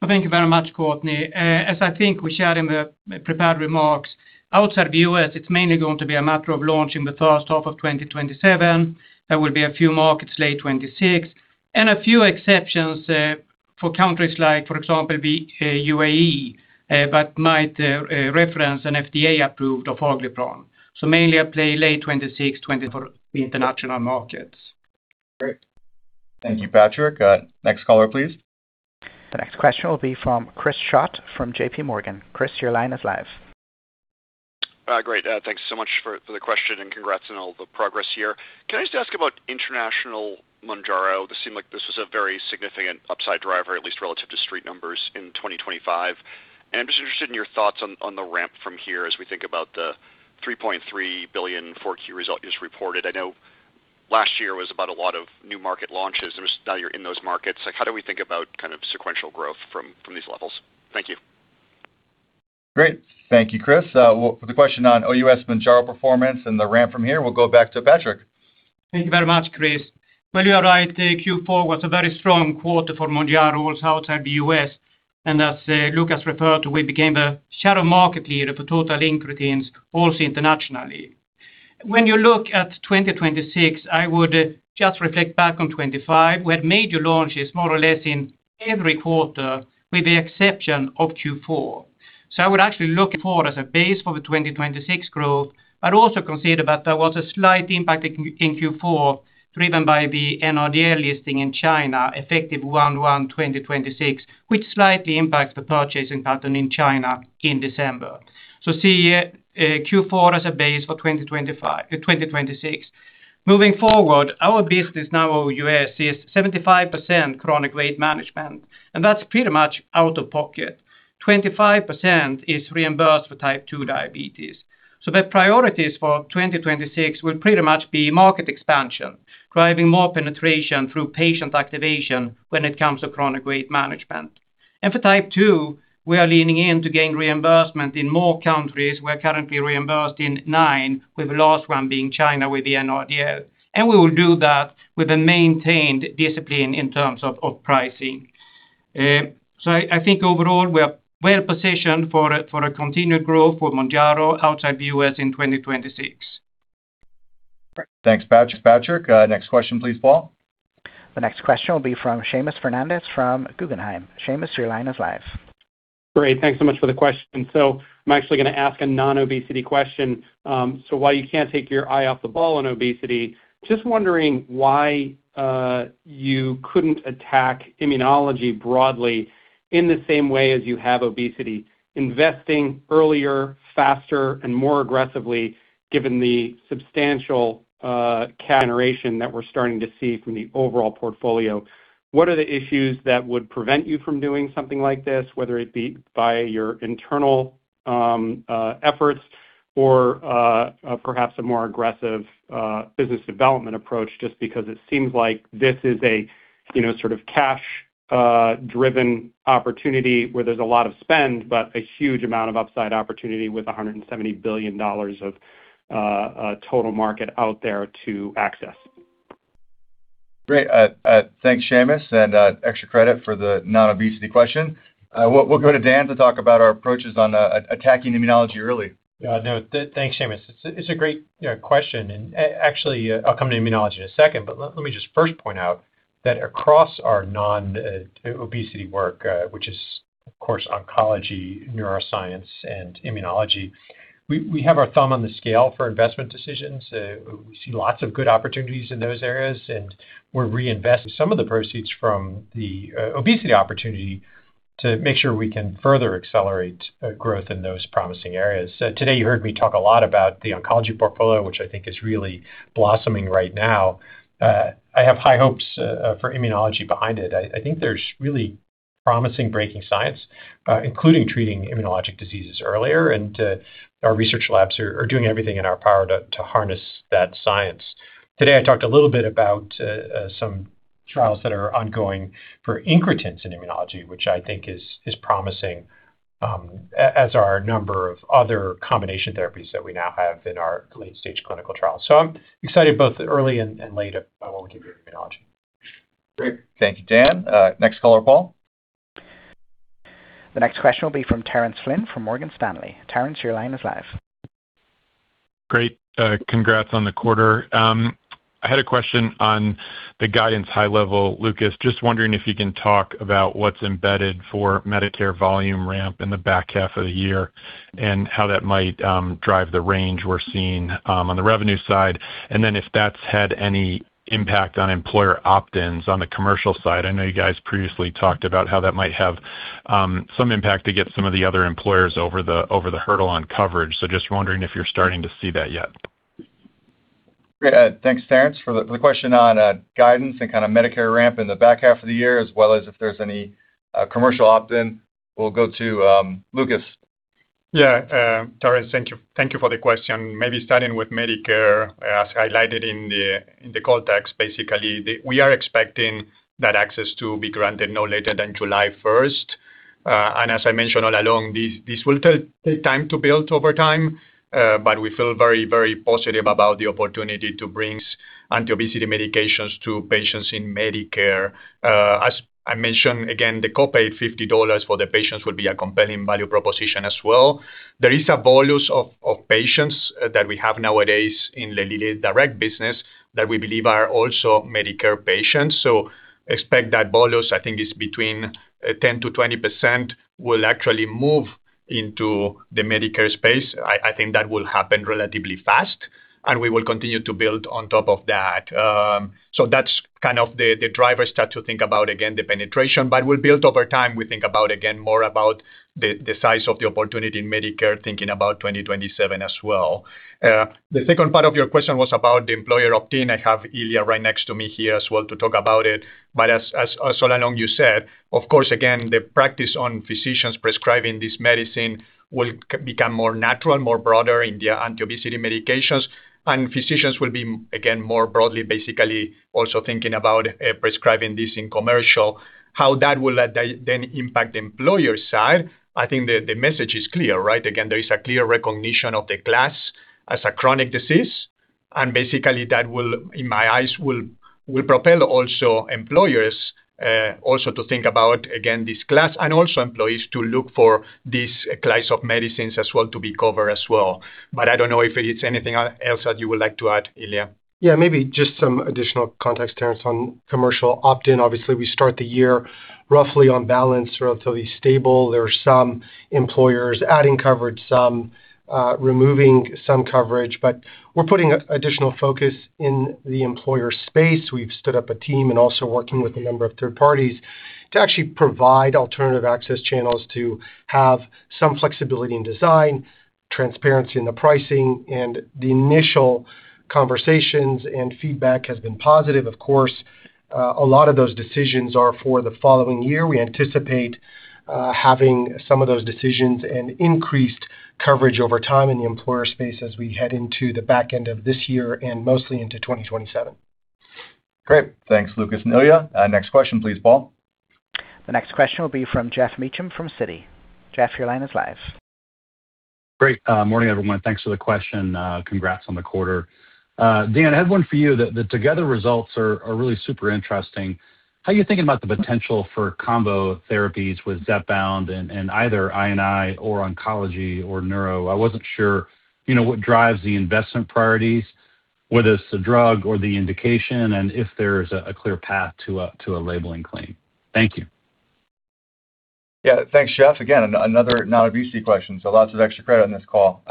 Well, thank you very much, Courtney. As I think we shared in the prepared remarks, outside the U.S., it's mainly going to be a matter of launching the first half of 2027. There will be a few markets late 2026, and a few exceptions, for countries like, for example, the UAE, but might reference an FDA-approved Orforglipron. So mainly a play late 2026, 2027 for the international markets. Great. Thank you, Patrik. Next caller, please. The next question will be from Chris Schott from JPMorgan. Chris, your line is live. Great. Thanks so much for the question, and congrats on all the progress here. Can I just ask about international Mounjaro? This seemed like this was a very significant upside driver, at least relative to street numbers in 2025. And I'm just interested in your thoughts on the ramp from here as we think about the $3.3 billion 4Q result just reported. I know last year was about a lot of new market launches, and now you're in those markets. Like, how do we think about kind of sequential growth from these levels? Thank you. Great. Thank you, Chris. Well, for the question on OUS Mounjaro performance and the ramp from here, we'll go back to Patrik. Thank you very much, Chris. Well, you are right, Q4 was a very strong quarter for Mounjaro outside the U.S., and as Lucas referred to, we became the shadow market leader for total incretins, also internationally. When you look at 2026, I would just reflect back on 2025. We had major launches more or less in every quarter, with the exception of Q4. So I would actually look forward as a base for the 2026 growth, but also consider that there was a slight impact in Q4, driven by the NRDL listing in China, effective 1/1/2026, which slightly impacts the purchasing pattern in China in December. So see Q4 as a base for 2025... 2026. Moving forward, our business now OUS is 75% chronic weight management, and that's pretty much out of pocket. 25% is reimbursed for type 2 diabetes. So the priorities for 2026 will pretty much be market expansion, driving more penetration through patient activation when it comes to chronic weight management. And for type 2, we are leaning in to gain reimbursement in more countries. We're currently reimbursed in 9, with the last one being China, with the NRDL. And we will do that with a maintained discipline in terms of pricing. So I think overall, we are well positioned for a continued growth for Mounjaro outside the U.S. in 2026. Thanks, Patrik. Next question, please, Paul. The next question will be from Seamus Fernandez from Guggenheim. Seamus, your line is live. Great. Thanks so much for the question. So I'm actually going to ask a non-obesity question. So while you can't take your eye off the ball on obesity, just wondering why you couldn't attack immunology broadly in the same way as you have obesity, investing earlier, faster, and more aggressively, given the substantial generation that we're starting to see from the overall portfolio. What are the issues that would prevent you from doing something like this, whether it be by your internal efforts or perhaps a more aggressive business development approach, just because it seems like this is a, you know, sort of cash-driven opportunity where there's a lot of spend, but a huge amount of upside opportunity with $170 billion of total market out there to access? Great. Thanks, Seamus, and extra credit for the non-obesity question. We'll go to Dan to talk about our approaches on attacking immunology early. No, thanks, Seamus. It's a great question, and actually, I'll come to immunology in a second, but let me just first point out that across our non-obesity work, which is of course oncology, neuroscience, and immunology, we have our thumb on the scale for investment decisions. We see lots of good opportunities in those areas, and we're reinvesting some of the proceeds from the obesity opportunity to make sure we can further accelerate growth in those promising areas. So today you heard me talk a lot about the oncology portfolio, which I think is really blossoming right now. I have high hopes for immunology behind it. I think there's really promising breaking science, including treating immunologic diseases earlier, and our research labs are doing everything in our power to harness that science. Today, I talked a little bit about some trials that are ongoing for incretins in immunology, which I think is promising, as are a number of other combination therapies that we now have in our late-stage clinical trials. So I'm excited both early and late about what we do in immunology. Great! Thank you, Dan. Next caller, Paul. The next question will be from Terence Flynn from Morgan Stanley. Terence, your line is live. Great. Congrats on the quarter. I had a question on the guidance, high level. Lucas, just wondering if you can talk about what's embedded for Medicare volume ramp in the back half of the year, and how that might drive the range we're seeing on the revenue side. And then, if that's had any impact on employer opt-ins on the commercial side. I know you guys previously talked about how that might have some impact to get some of the other employers over the hurdle on coverage. So just wondering if you're starting to see that yet? Great. Thanks, Terence, for the question on guidance and kind of Medicare ramp in the back half of the year, as well as if there's any commercial opt-in. We'll go to Lucas. Yeah, Terence, thank you. Thank you for the question. Maybe starting with Medicare, as highlighted in the, in the call text, basically, we are expecting that access to be granted no later than July 1st. And as I mentioned all along, this will take time to build over time, but we feel very, very positive about the opportunity to bring anti-obesity medications to patients in Medicare. As I mentioned, again, the copay, $50 for the patients will be a compelling value proposition as well. There is a bolus of patients that we have nowadays in the direct business that we believe are also Medicare patients. So expect that bolus, I think, is between 10%-20%, will actually move into the Medicare space. I think that will happen relatively fast, and we will continue to build on top of that. So that's kind of the driver to start to think about, again, the penetration, but we'll build over time. We think about, again, more about the size of the opportunity in Medicare, thinking about 2027 as well. The second part of your question was about the employer opt-in. I have Ilya right next to me here as well to talk about it. But as all along you said, of course, again, the practice on physicians prescribing this medicine will become more natural, more broader in the anti-obesity medications. And physicians will be, again, more broadly, basically, also thinking about prescribing this in commercial. How that will then impact the employer side, I think the message is clear, right? Again, there is a clear recognition of the class as a chronic disease, and basically that will, in my eyes, will, will propel also employers, also to think about, again, this class, and also employees to look for these class of medicines as well, to be covered as well. But I don't know if it's anything else that you would like to add, Ilya. Yeah, maybe just some additional context, Terence, on commercial opt-in. Obviously, we start the year roughly on balance, relatively stable. There are some employers adding coverage, some removing some coverage, but we're putting additional focus in the employer space. We've stood up a team and also working with a number of third parties to actually provide alternative access channels to have some flexibility in design, transparency in the pricing, and the initial conversations and feedback has been positive. Of course, a lot of those decisions are for the following year. We anticipate having some of those decisions and increased coverage over time in the employer space as we head into the back end of this year and mostly into 2027. Great. Thanks, Lucas and Ilya. Next question, please, Paul. The next question will be from Geoff Meacham from Citi. Jeff, your line is live. Great. Morning, everyone. Thanks for the question. Dan, I had one for you. The Together results are really super interesting. How are you thinking about the potential for combo therapies with Zepbound and either I&I or oncology or neuro? I wasn't sure, you know, what drives the investment priorities, whether it's the drug or the indication, and if there's a clear path to a labeling claim. Thank you. Yeah. Thanks, Jeff. Again, another non-obesity question, so lots of extra credit on this call.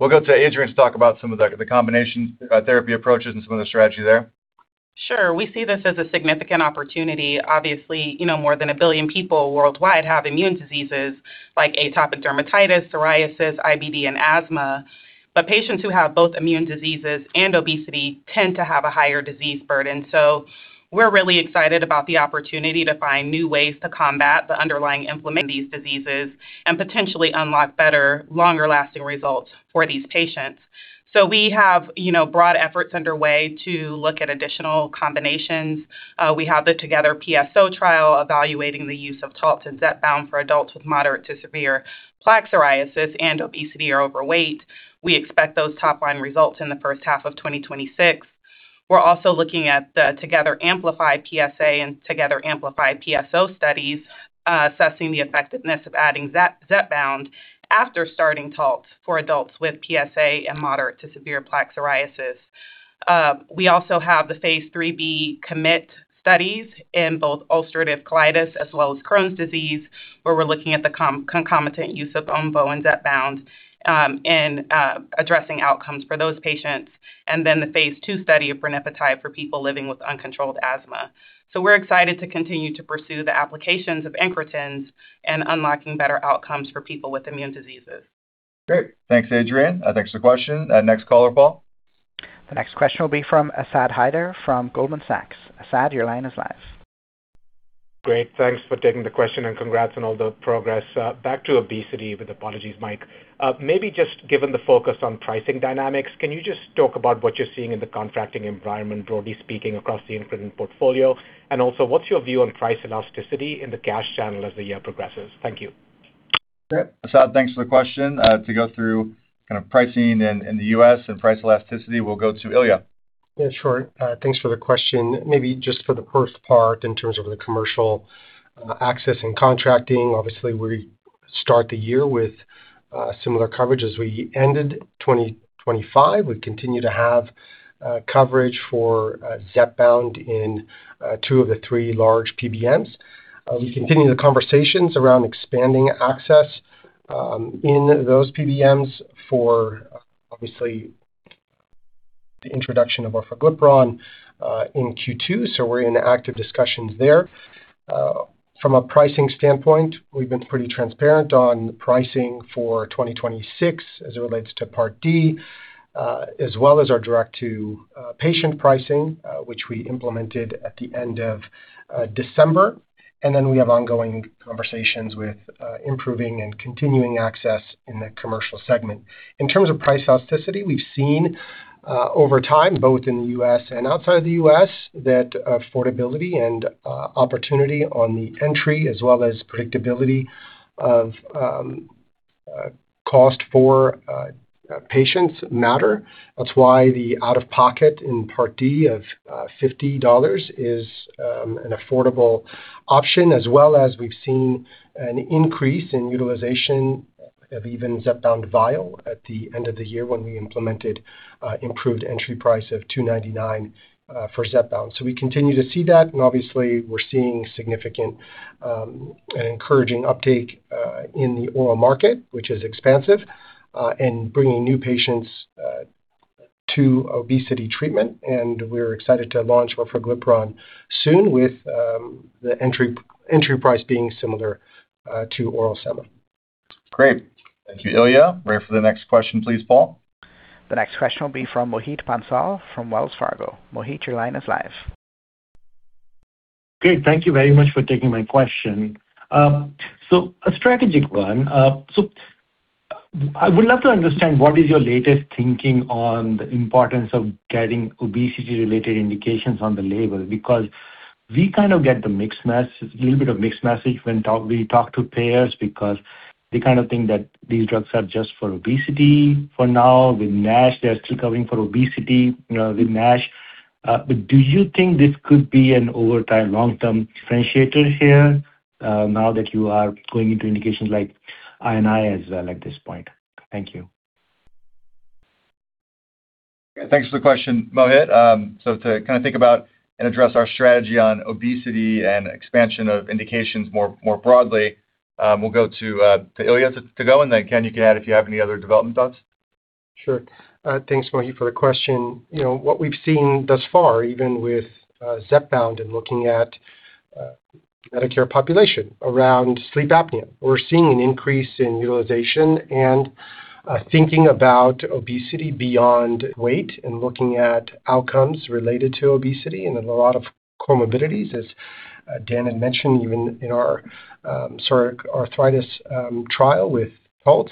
We'll go to Adrienne to talk about some of the, the combination therapy approaches and some of the strategy there. Sure. We see this as a significant opportunity. Obviously, you know, more than a billion people worldwide have immune diseases like atopic dermatitis, psoriasis, IBD, and asthma. But patients who have both immune diseases and obesity tend to have a higher disease burden. So we're really excited about the opportunity to find new ways to combat the underlying inflammation in these diseases, and potentially unlock better, longer-lasting results for these patients. So we have, you know, broad efforts underway to look at additional combinations. We have the Together PSO trial evaluating the use of Taltz and Zepbound for adults with moderate to severe plaque psoriasis and obesity or overweight. We expect those top-line results in the first half of 2026. We're also looking at the TOGETHER-Amplify-PsA and TOGETHER-Amplify-PSO studies, assessing the effectiveness of adding Zepbound after starting Taltz for adults with PsA and moderate to severe plaque psoriasis. We also have phase III-B commit studies in both ulcerative colitis as well as Crohn's disease, where we're looking at the concomitant use of Omvoh and Zepbound, and addressing outcomes for those patients, and then the phase II study of Brenipatide for people living with uncontrolled asthma. So we're excited to continue to pursue the applications of incretins and unlocking better outcomes for people with immune diseases. Great. Thanks, Adrienne. Thanks for the question. Next caller, Paul. The next question will be from Asad Haider from Goldman Sachs. Asad, your line is live. Great. Thanks for taking the question, and congrats on all the progress. Back to obesity, with apologies, Mike, maybe just given the focus on pricing dynamics, can you just talk about what you're seeing in the contracting environment, broadly speaking, across the incretin portfolio? And also, what's your view on price elasticity in the cash channel as the year progresses? Thank you. Great. Asad, thanks for the question. To go through kind of pricing in the U.S. and price elasticity, we'll go to Ilya. Yeah, sure. Thanks for the question. Maybe just for the first part, in terms of the commercial access and contracting, obviously, we start the year with similar coverage as we ended 2025. We continue to have coverage for Zepbound in two of the three large PBMs. We continue the conversations around expanding access in those PBMs for, obviously, the introduction of Orforglipron in Q2, so we're in active discussions there. From a pricing standpoint, we've been pretty transparent on the pricing for 2026 as it relates to Part D, as well as our direct-to patient pricing, which we implemented at the end of December. And then we have ongoing conversations with improving and continuing access in the commercial segment. In terms of price elasticity, we've seen over time, both in the U.S. and outside the U.S., that affordability and opportunity on the entry as well as predictability of cost for patients matter. That's why the out-of-pocket in Part D of $50 is an affordable option, as well as we've seen an increase in utilization of even Zepbound vial at the end of the year when we implemented improved entry price of $299 for Zepbound. So we continue to see that, and obviously, we're seeing significant encouraging uptake in the oral market, which is expansive and bringing new patients to obesity treatment. And we're excited to launch orforglipron soon with the entry price being similar to oral $7. Great. Thank you, Ilya. Ready for the next question, please, Paul. The next question will be from Mohit Bansal from Wells Fargo. Mohit, your line is live. Great, thank you very much for taking my question. So a strategic one. So I would love to understand what is your latest thinking on the importance of getting obesity-related indications on the label? Because we kind of get the mixed message, a little bit of mixed message when we talk to payers, because they kind of think that these drugs are just for obesity for now. With NASH, they're still covering for obesity, with NASH. But do you think this could be an overtime long-term differentiator here, now that you are going into indications like I&I as well at this point? Thank you. Thanks for the question, Mohit. So to kind of think about and address our strategy on obesity and expansion of indications more, more broadly, we'll go to Ilya, and then, Ken, you can add if you have any other development thoughts. Sure. Thanks, Mohit, for the question. You know, what we've seen thus far, even with Zepbound and looking at Medicare population around sleep apnea, we're seeing an increase in utilization and thinking about obesity beyond weight and looking at outcomes related to obesity and a lot of comorbidities, as Dan had mentioned, even in our psoriatic arthritis trial with Taltz.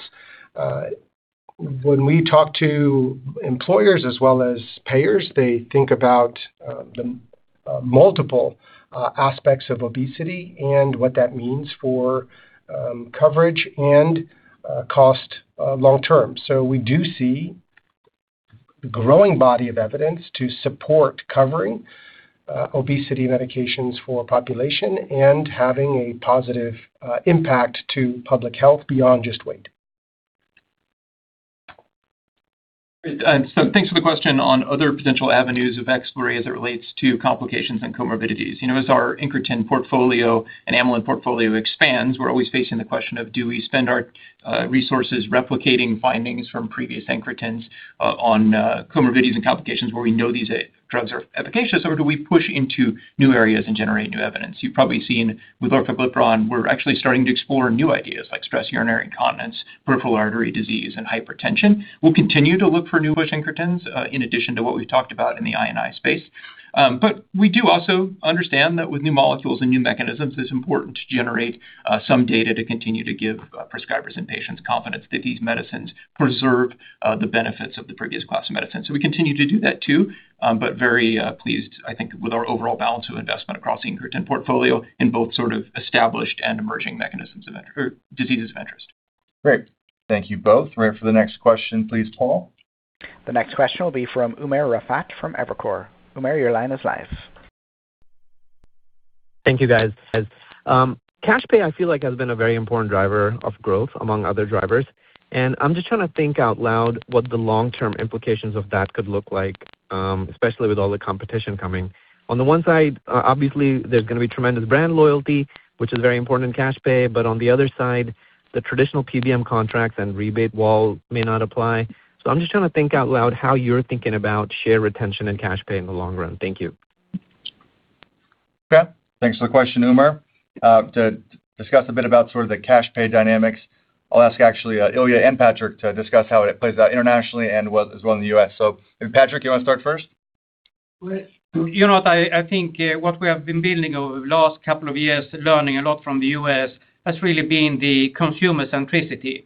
When we talk to employers as well as payers, they think about the multiple aspects of obesity and what that means for coverage and cost long term. So we do see a growing body of evidence to support covering obesity medications for population and having a positive impact to public health beyond just weight. Great. So thanks for the question on other potential avenues of exploration as it relates to complications and comorbidities. You know, as our incretin portfolio and amylin portfolio expands, we're always facing the question of: Do we spend our resources replicating findings from previous incretins on comorbidities and complications where we know these drugs are efficacious, or do we push into new areas and generate new evidence? You've probably seen with orforglipron, we're actually starting to explore new ideas like stress urinary incontinence, peripheral artery disease, and hypertension. We'll continue to look for new push incretins in addition to what we've talked about in the incretin space. But we do also understand that with new molecules and new mechanisms, it's important to generate some data to continue to give prescribers and patients confidence that these medicines preserve the benefits of the previous class of medicines. So we continue to do that, too, but very pleased, I think, with our overall balance of investment across the incretin portfolio in both sort of established and emerging mechanisms of inter- or diseases of interest. Great. Thank you both. Ready for the next question, please, Paul. The next question will be from Umer Raffat from Evercore. Umer, your line is live. Thank you, guys. As cash pay, I feel like, has been a very important driver of growth among other drivers, and I'm just trying to think out loud what the long-term implications of that could look like, especially with all the competition coming. On the one side, obviously, there's going to be tremendous brand loyalty, which is very important in cash pay, but on the other side, the traditional PBM contracts and rebate wall may not apply. So I'm just trying to think out loud how you're thinking about share retention and cash pay in the long run. Thank you. Okay. Thanks for the question, Umer. To discuss a bit about sort of the cash pay dynamics, I'll ask actually, Ilya and Patrik to discuss how it plays out internationally and well, as well in the US. So Patrik, you want to start first? Well, you know what? I think what we have been building over the last couple of years, learning a lot from the U.S., has really been the consumer centricity.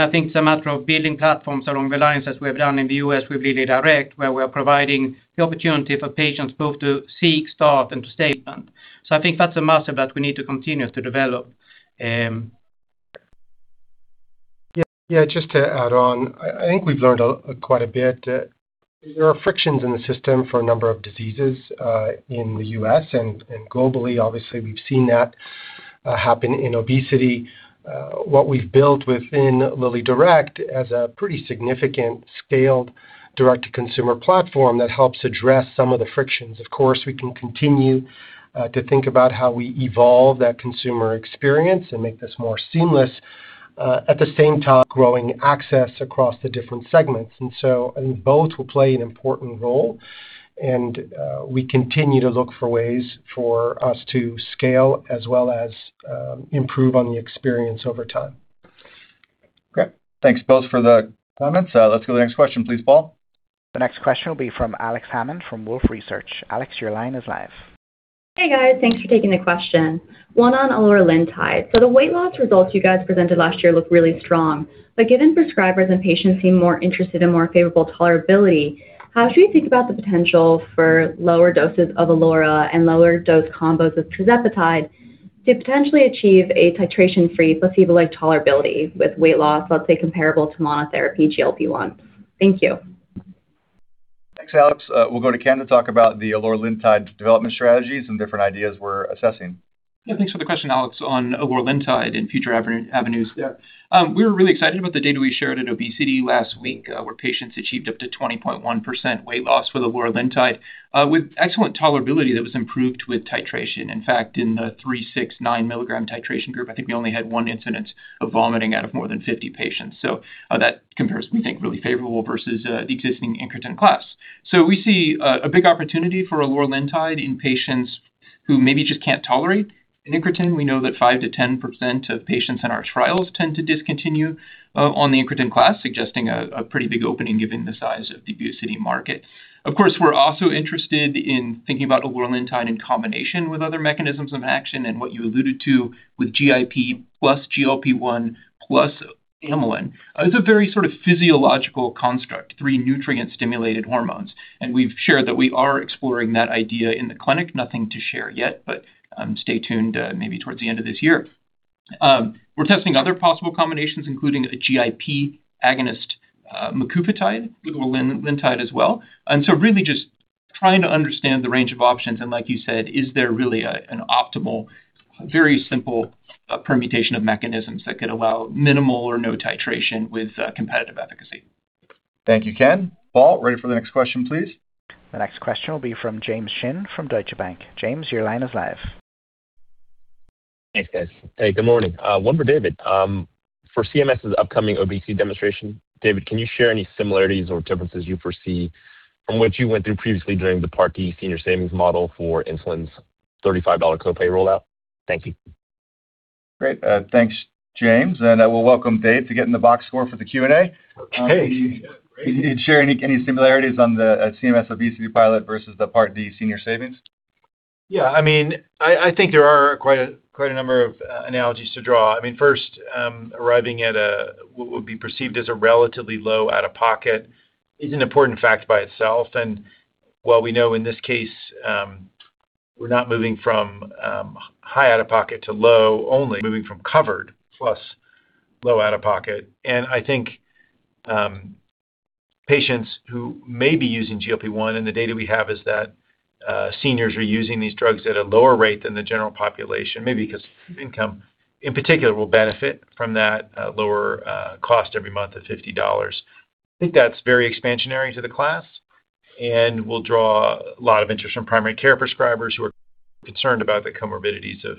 I think it's a matter of building platforms along the lines as we have done in the U.S. with LillyDirect, where we are providing the opportunity for patients both to seek, start, and to statement. So I think that's a must that we need to continue to develop. Yeah. Yeah, just to add on, I think we've learned quite a bit. There are frictions in the system for a number of diseases in the U.S. and globally. Obviously, we've seen that happen in obesity. What we've built within LillyDirect as a pretty significant scaled direct-to-consumer platform that helps address some of the frictions. Of course, we can continue to think about how we evolve that consumer experience and make this more seamless, at the same time, growing access across the different segments. And so I think both will play an important role, and we continue to look for ways for us to scale as well as improve on the experience over time. Great. Thanks both for the comments. Let's go to the next question, please, Paul. The next question will be from Alex Hammond, from Wolfe Research. Alex, your line is live. Hey, guys. Thanks for taking the question. One on Eloralintide. So the weight loss results you guys presented last year looked really strong, but given prescribers and patients seem more interested in more favorable tolerability, how should we think about the potential for lower doses of Eloralintide and lower dose combos of Tirzepatide to potentially achieve a titration-free, placebo-like tolerability with weight loss, let's say, comparable to monotherapy GLP-1? Thank you. Thanks, Alex. We'll go to Ken to talk about the Eloralintide development strategies and different ideas we're assessing. Yeah, thanks for the question, Alex, on Eloralintide in future avenues. We were really excited about the data we shared at Obesity last week, where patients achieved up to 20.1% weight loss for Eloralintide, with excellent tolerability that was improved with titration. In fact, in the three, six, nine milligram titration group, I think we only had one incidence of vomiting out of more than 50 patients. So, that compares, we think, really favorable versus, the existing incretin class. So we see a big opportunity for Eloralintide in patients who maybe just can't tolerate an incretin. We know that 5%-10% of patients in our trials tend to discontinue, on the incretin class, suggesting a pretty big opening given the size of the obesity market. Of course, we're also interested in thinking about Eloralintide in combination with other mechanisms in action and what you alluded to with GIP plus GLP-1, plus amylin. It's a very sort of physiological construct, three nutrient-stimulated hormones, and we've shared that we are exploring that idea in the clinic. Nothing to share yet, but stay tuned, maybe towards the end of this year. We're testing other possible combinations, including the GIP agonist, Macugotide with Eloralintide as well. And so really just trying to understand the range of options, and like you said, is there really a, an optimal, very simple, permutation of mechanisms that could allow minimal or no titration with competitive efficacy? Thank you, Ken. Paul, ready for the next question, please. The next question will be from James Shin from Deutsche Bank. James, your line is live. Thanks, guys. Hey, good morning. One for David. For CMS's upcoming obesity demonstration, David, can you share any similarities or differences you foresee from what you went through previously during the Part D Senior Savings Model for insulin's $35 copay rollout? Thank you. Great. Thanks, James, and I will welcome Dave to get in the box score for the Q&A. Hey. Can you share any similarities on the CMS obesity pilot versus the Part D Senior Savings? Yeah, I mean, I think there are quite a number of analogies to draw. I mean, first, arriving at a... what would be perceived as a relatively low out-of-pocket is an important fact by itself. And while we know in this case, we're not moving from high out-of-pocket to low, only moving from covered plus low out-of-pocket. And I think patients who may be using GLP-1, and the data we have is that seniors are using these drugs at a lower rate than the general population, maybe because income, in particular, will benefit from that lower cost every month of $50. I think that's very expansionary to the class and will draw a lot of interest from primary care prescribers who are concerned about the comorbidities of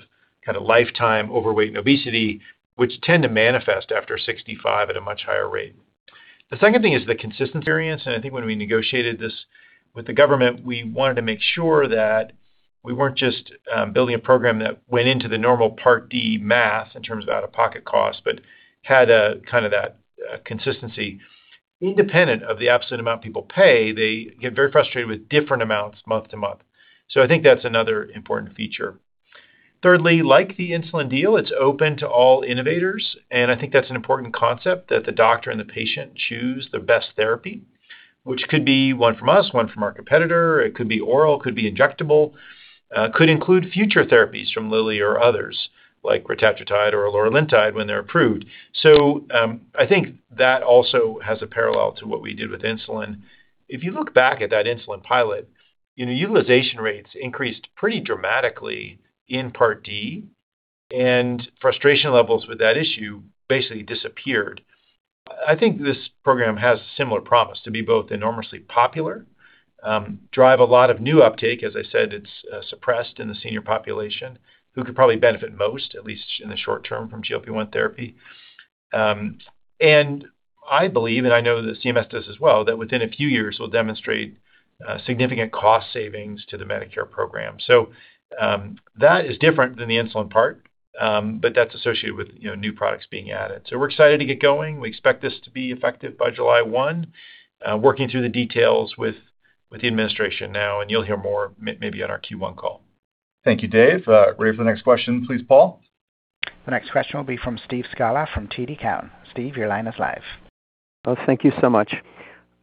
lifetime overweight and obesity, which tend to manifest after 65 at a much higher rate. The second thing is the consistency variance, and I think when we negotiated this with the government, we wanted to make sure that we weren't just building a program that went into the normal Part D math in terms of out-of-pocket costs, but had a kind of that consistency. Independent of the absolute amount people pay, they get very frustrated with different amounts month to month. So I think that's another important feature. Thirdly, like the insulin deal, it's open to all innovators, and I think that's an important concept that the doctor and the patient choose the best therapy, which could be one from us, one from our competitor, it could be oral, could be injectable, could include future therapies from Lilly or others, like retatrutide or eloralintide when they're approved. So, I think that also has a parallel to what we did with insulin. If you look back at that insulin pilot, you know, utilization rates increased pretty dramatically in Part D... and frustration levels with that issue basically disappeared. I think this program has similar promise to be both enormously popular, drive a lot of new uptake. As I said, it's suppressed in the senior population, who could probably benefit most, at least in the short term, from GLP-1 therapy. And I believe, and I know that CMS does as well, that within a few years, we'll demonstrate significant cost savings to the Medicare program. So, that is different than the insulin part, but that's associated with, you know, new products being added. So we're excited to get going. We expect this to be effective by July 1. Working through the details with the administration now, and you'll hear more maybe on our Q1 call. Thank you, Dave. Ready for the next question, please, Paul. The next question will be from Steve Scala from TD Cowen. Steve, your line is live. Well, thank you so much.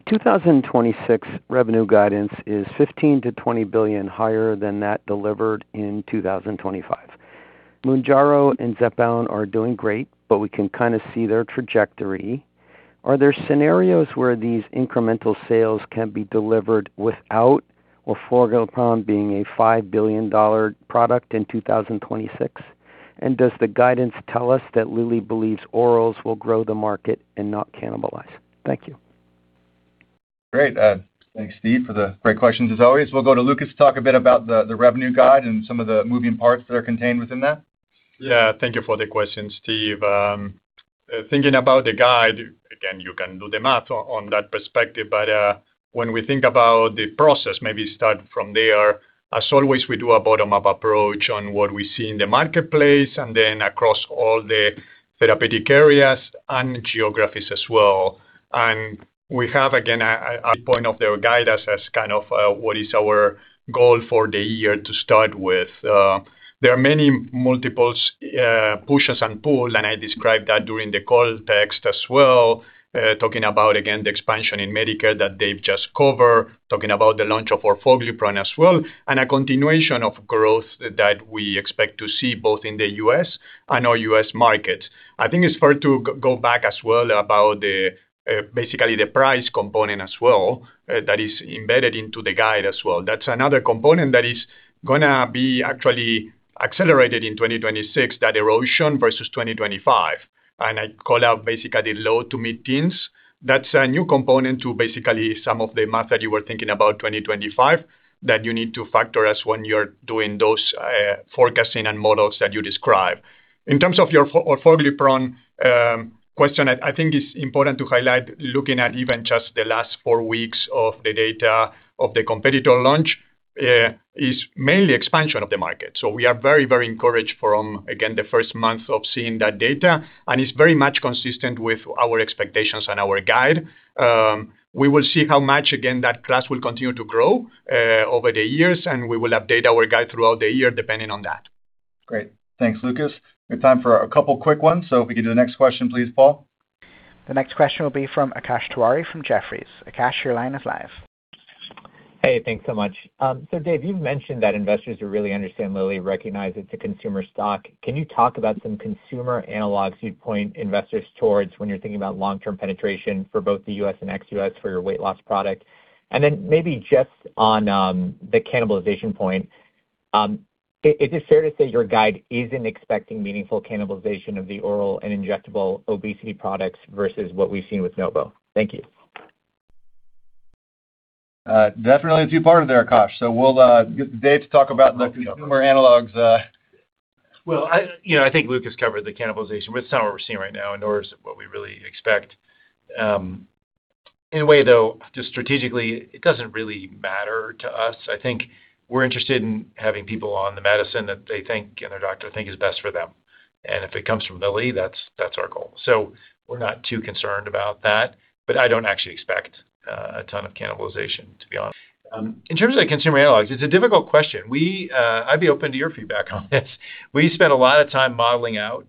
2026 revenue guidance is $15 billion-$20 billion higher than that delivered in 2025. Mounjaro and Zepbound are doing great, but we can kind of see their trajectory. Are there scenarios where these incremental sales can be delivered without Orforglipron being a $5 billion product in 2026? And does the guidance tell us that Lilly believes orals will grow the market and not cannibalize? Thank you. Great. Thanks, Steve, for the great questions, as always. We'll go to Lucas to talk a bit about the revenue guide and some of the moving parts that are contained within that. Yeah, thank you for the question, Steve. Thinking about the guide, again, you can do the math on that perspective, but when we think about the process, maybe start from there. As always, we do a bottom-up approach on what we see in the marketplace and then across all the therapeutic areas and geographies as well. And we have, again, a point of the guide as kind of what is our goal for the year to start with. There are many multiples, pushes and pulls, and I described that during the call text as well, talking about, again, the expansion in Medicare that Dave just covered, talking about the launch of Orforglipron as well, and a continuation of growth that we expect to see both in the U.S. and our U.S. markets. I think it's fair to go back as well about the basically the price component as well that is embedded into the guide as well. That's another component that is gonna be actually accelerated in 2026, that erosion versus 2025. I call out basically low to mid-teens. That's a new component to basically some of the math that you were thinking about 2025, that you need to factor as when you're doing those forecasting and models that you described. In terms of your Orforglipron question, I think it's important to highlight, looking at even just the last 4 weeks of the data of the competitor launch is mainly expansion of the market. So we are very, very encouraged from, again, the first month of seeing that data, and it's very much consistent with our expectations and our guide. We will see how much, again, that class will continue to grow over the years, and we will update our guide throughout the year, depending on that. Great. Thanks, Lucas. We have time for a couple quick ones. So if we can do the next question, please, Paul. The next question will be from Akash Tewari from Jefferies. Akash, your line is live. Hey, thanks so much. So Dave, you've mentioned that investors who really understand Lilly recognize it's a consumer stock. Can you talk about some consumer analogs you'd point investors towards when you're thinking about long-term penetration for both the US and ex-US for your weight loss product? And then maybe just on the cannibalization point, is it fair to say your guide isn't expecting meaningful cannibalization of the oral and injectable obesity products versus what we've seen with Novo? Thank you. Definitely a two-parter there, Akash. So we'll get Dave to talk about the consumer analogs. Well, you know, I think Lucas covered the cannibalization. But it's not what we're seeing right now and nor is it what we really expect. In a way, though, just strategically, it doesn't really matter to us. I think we're interested in having people on the medicine that they think and their doctor think is best for them. And if it comes from Lilly, that's, that's our goal. So we're not too concerned about that, but I don't actually expect a ton of cannibalization, to be honest. In terms of the consumer analogs, it's a difficult question. I'd be open to your feedback on this. We spent a lot of time modeling out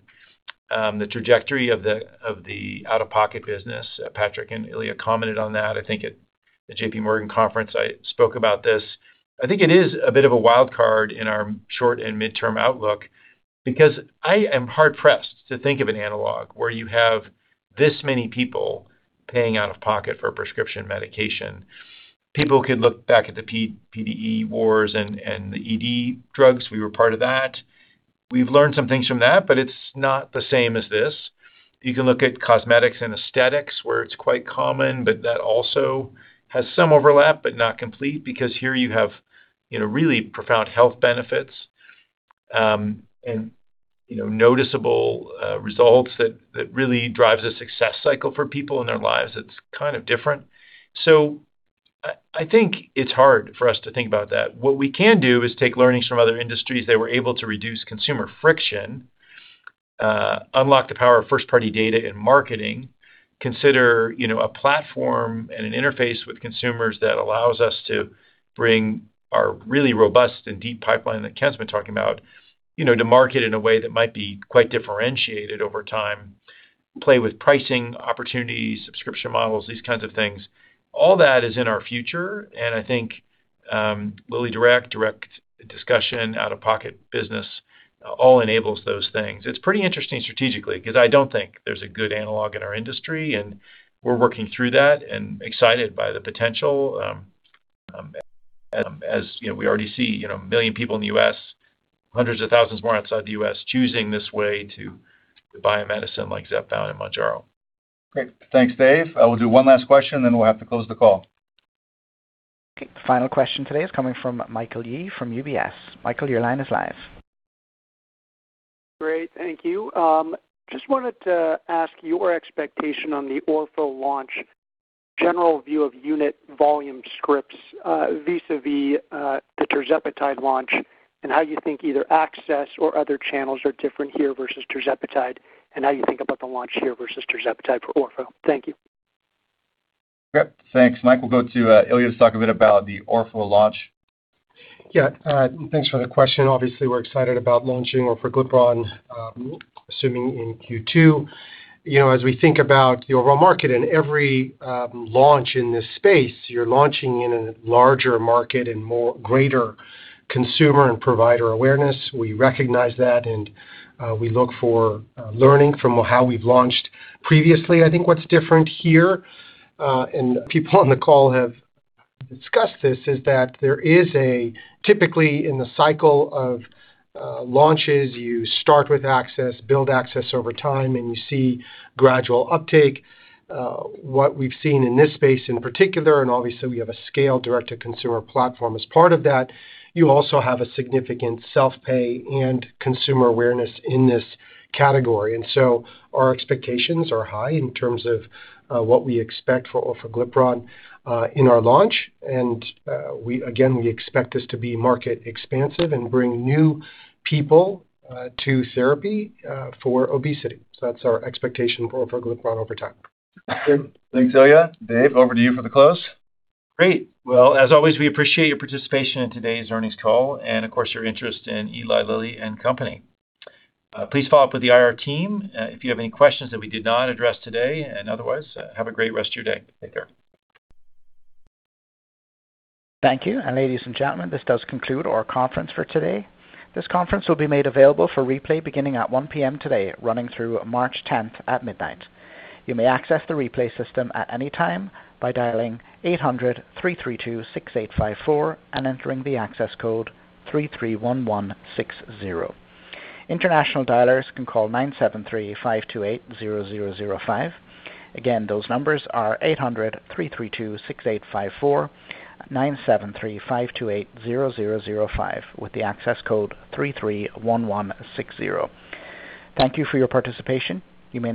the trajectory of the out-of-pocket business. Patrik and Ilya commented on that. I think at the JPMorgan conference, I spoke about this. I think it is a bit of a wild card in our short and midterm outlook, because I am hard-pressed to think of an analog where you have this many people paying out of pocket for a prescription medication. People could look back at the PDE wars and the ED drugs. We were part of that. We've learned some things from that, but it's not the same as this. You can look at cosmetics and aesthetics, where it's quite common, but that also has some overlap, but not complete, because here you have, you know, really profound health benefits, and, you know, noticeable results that really drives a success cycle for people in their lives. It's kind of different. So I think it's hard for us to think about that. What we can do is take learnings from other industries that were able to reduce consumer friction, unlock the power of first-party data in marketing, consider, you know, a platform and an interface with consumers that allows us to bring our really robust and deep pipeline that Ken's been talking about, you know, to market in a way that might be quite differentiated over time, play with pricing opportunities, subscription models, these kinds of things. All that is in our future, and I think, LillyDirect, direct discussion, out-of-pocket business, all enables those things. It's pretty interesting strategically, because I don't think there's a good analog in our industry, and we're working through that and excited by the potential. As you know, we already see, you know, 1 million people in the U.S., hundreds of thousands more outside the U.S., choosing this way to buy a medicine like Zepbound and Mounjaro. Great. Thanks, Dave. I will do one last question, then we'll have to close the call. Okay, final question today is coming from Michael Yee from UBS. Michael, your line is live. Great, thank you. Just wanted to ask your expectation on the Orforglipron launch, general view of unit volume scripts, vis-à-vis, the Tirzepatide launch, and how you think either access or other channels are different here versus Tirzepatide, and how you think about the launch here versus Tirzepatide for Orforglipron? Thank you. Yep. Thanks, Mike. We'll go to Ilya to talk a bit about the Orforglipron launch. Yeah, thanks for the question. Obviously, we're excited about launching Orforglipron, assuming in Q2. You know, as we think about the overall market, in every launch in this space, you're launching in a larger market and more greater consumer and provider awareness. We recognize that, and we look for learning from how we've launched previously. I think what's different here, and people on the call have discussed this, is that typically in the cycle of launches, you start with access, build access over time, and you see gradual uptake. What we've seen in this space in particular, and obviously we have a scale direct-to-consumer platform as part of that, you also have a significant self-pay and consumer awareness in this category. And so our expectations are high in terms of what we expect for Orforglipron in our launch, and we again, we expect this to be market expansive and bring new people to therapy for obesity. So that's our expectation for Orforglipron over time. Good. Thanks, Ilya. Dave, over to you for the close. Great. Well, as always, we appreciate your participation in today's earnings call, and of course, your interest in Eli Lilly and Company. Please follow up with the IR team, if you have any questions that we did not address today, and otherwise, have a great rest of your day. Take care. Thank you. Ladies and gentlemen, this does conclude our conference for today. This conference will be made available for replay beginning at 1:00 P.M. today, running through March 10th at midnight. You may access the replay system at any time by dialing 800-332-6854 and entering the access code 331160. International dialers can call 973-528-0005. Again, those numbers are 800-332-6854, 973-528-0005, with the access code 331160. Thank you for your participation. You may-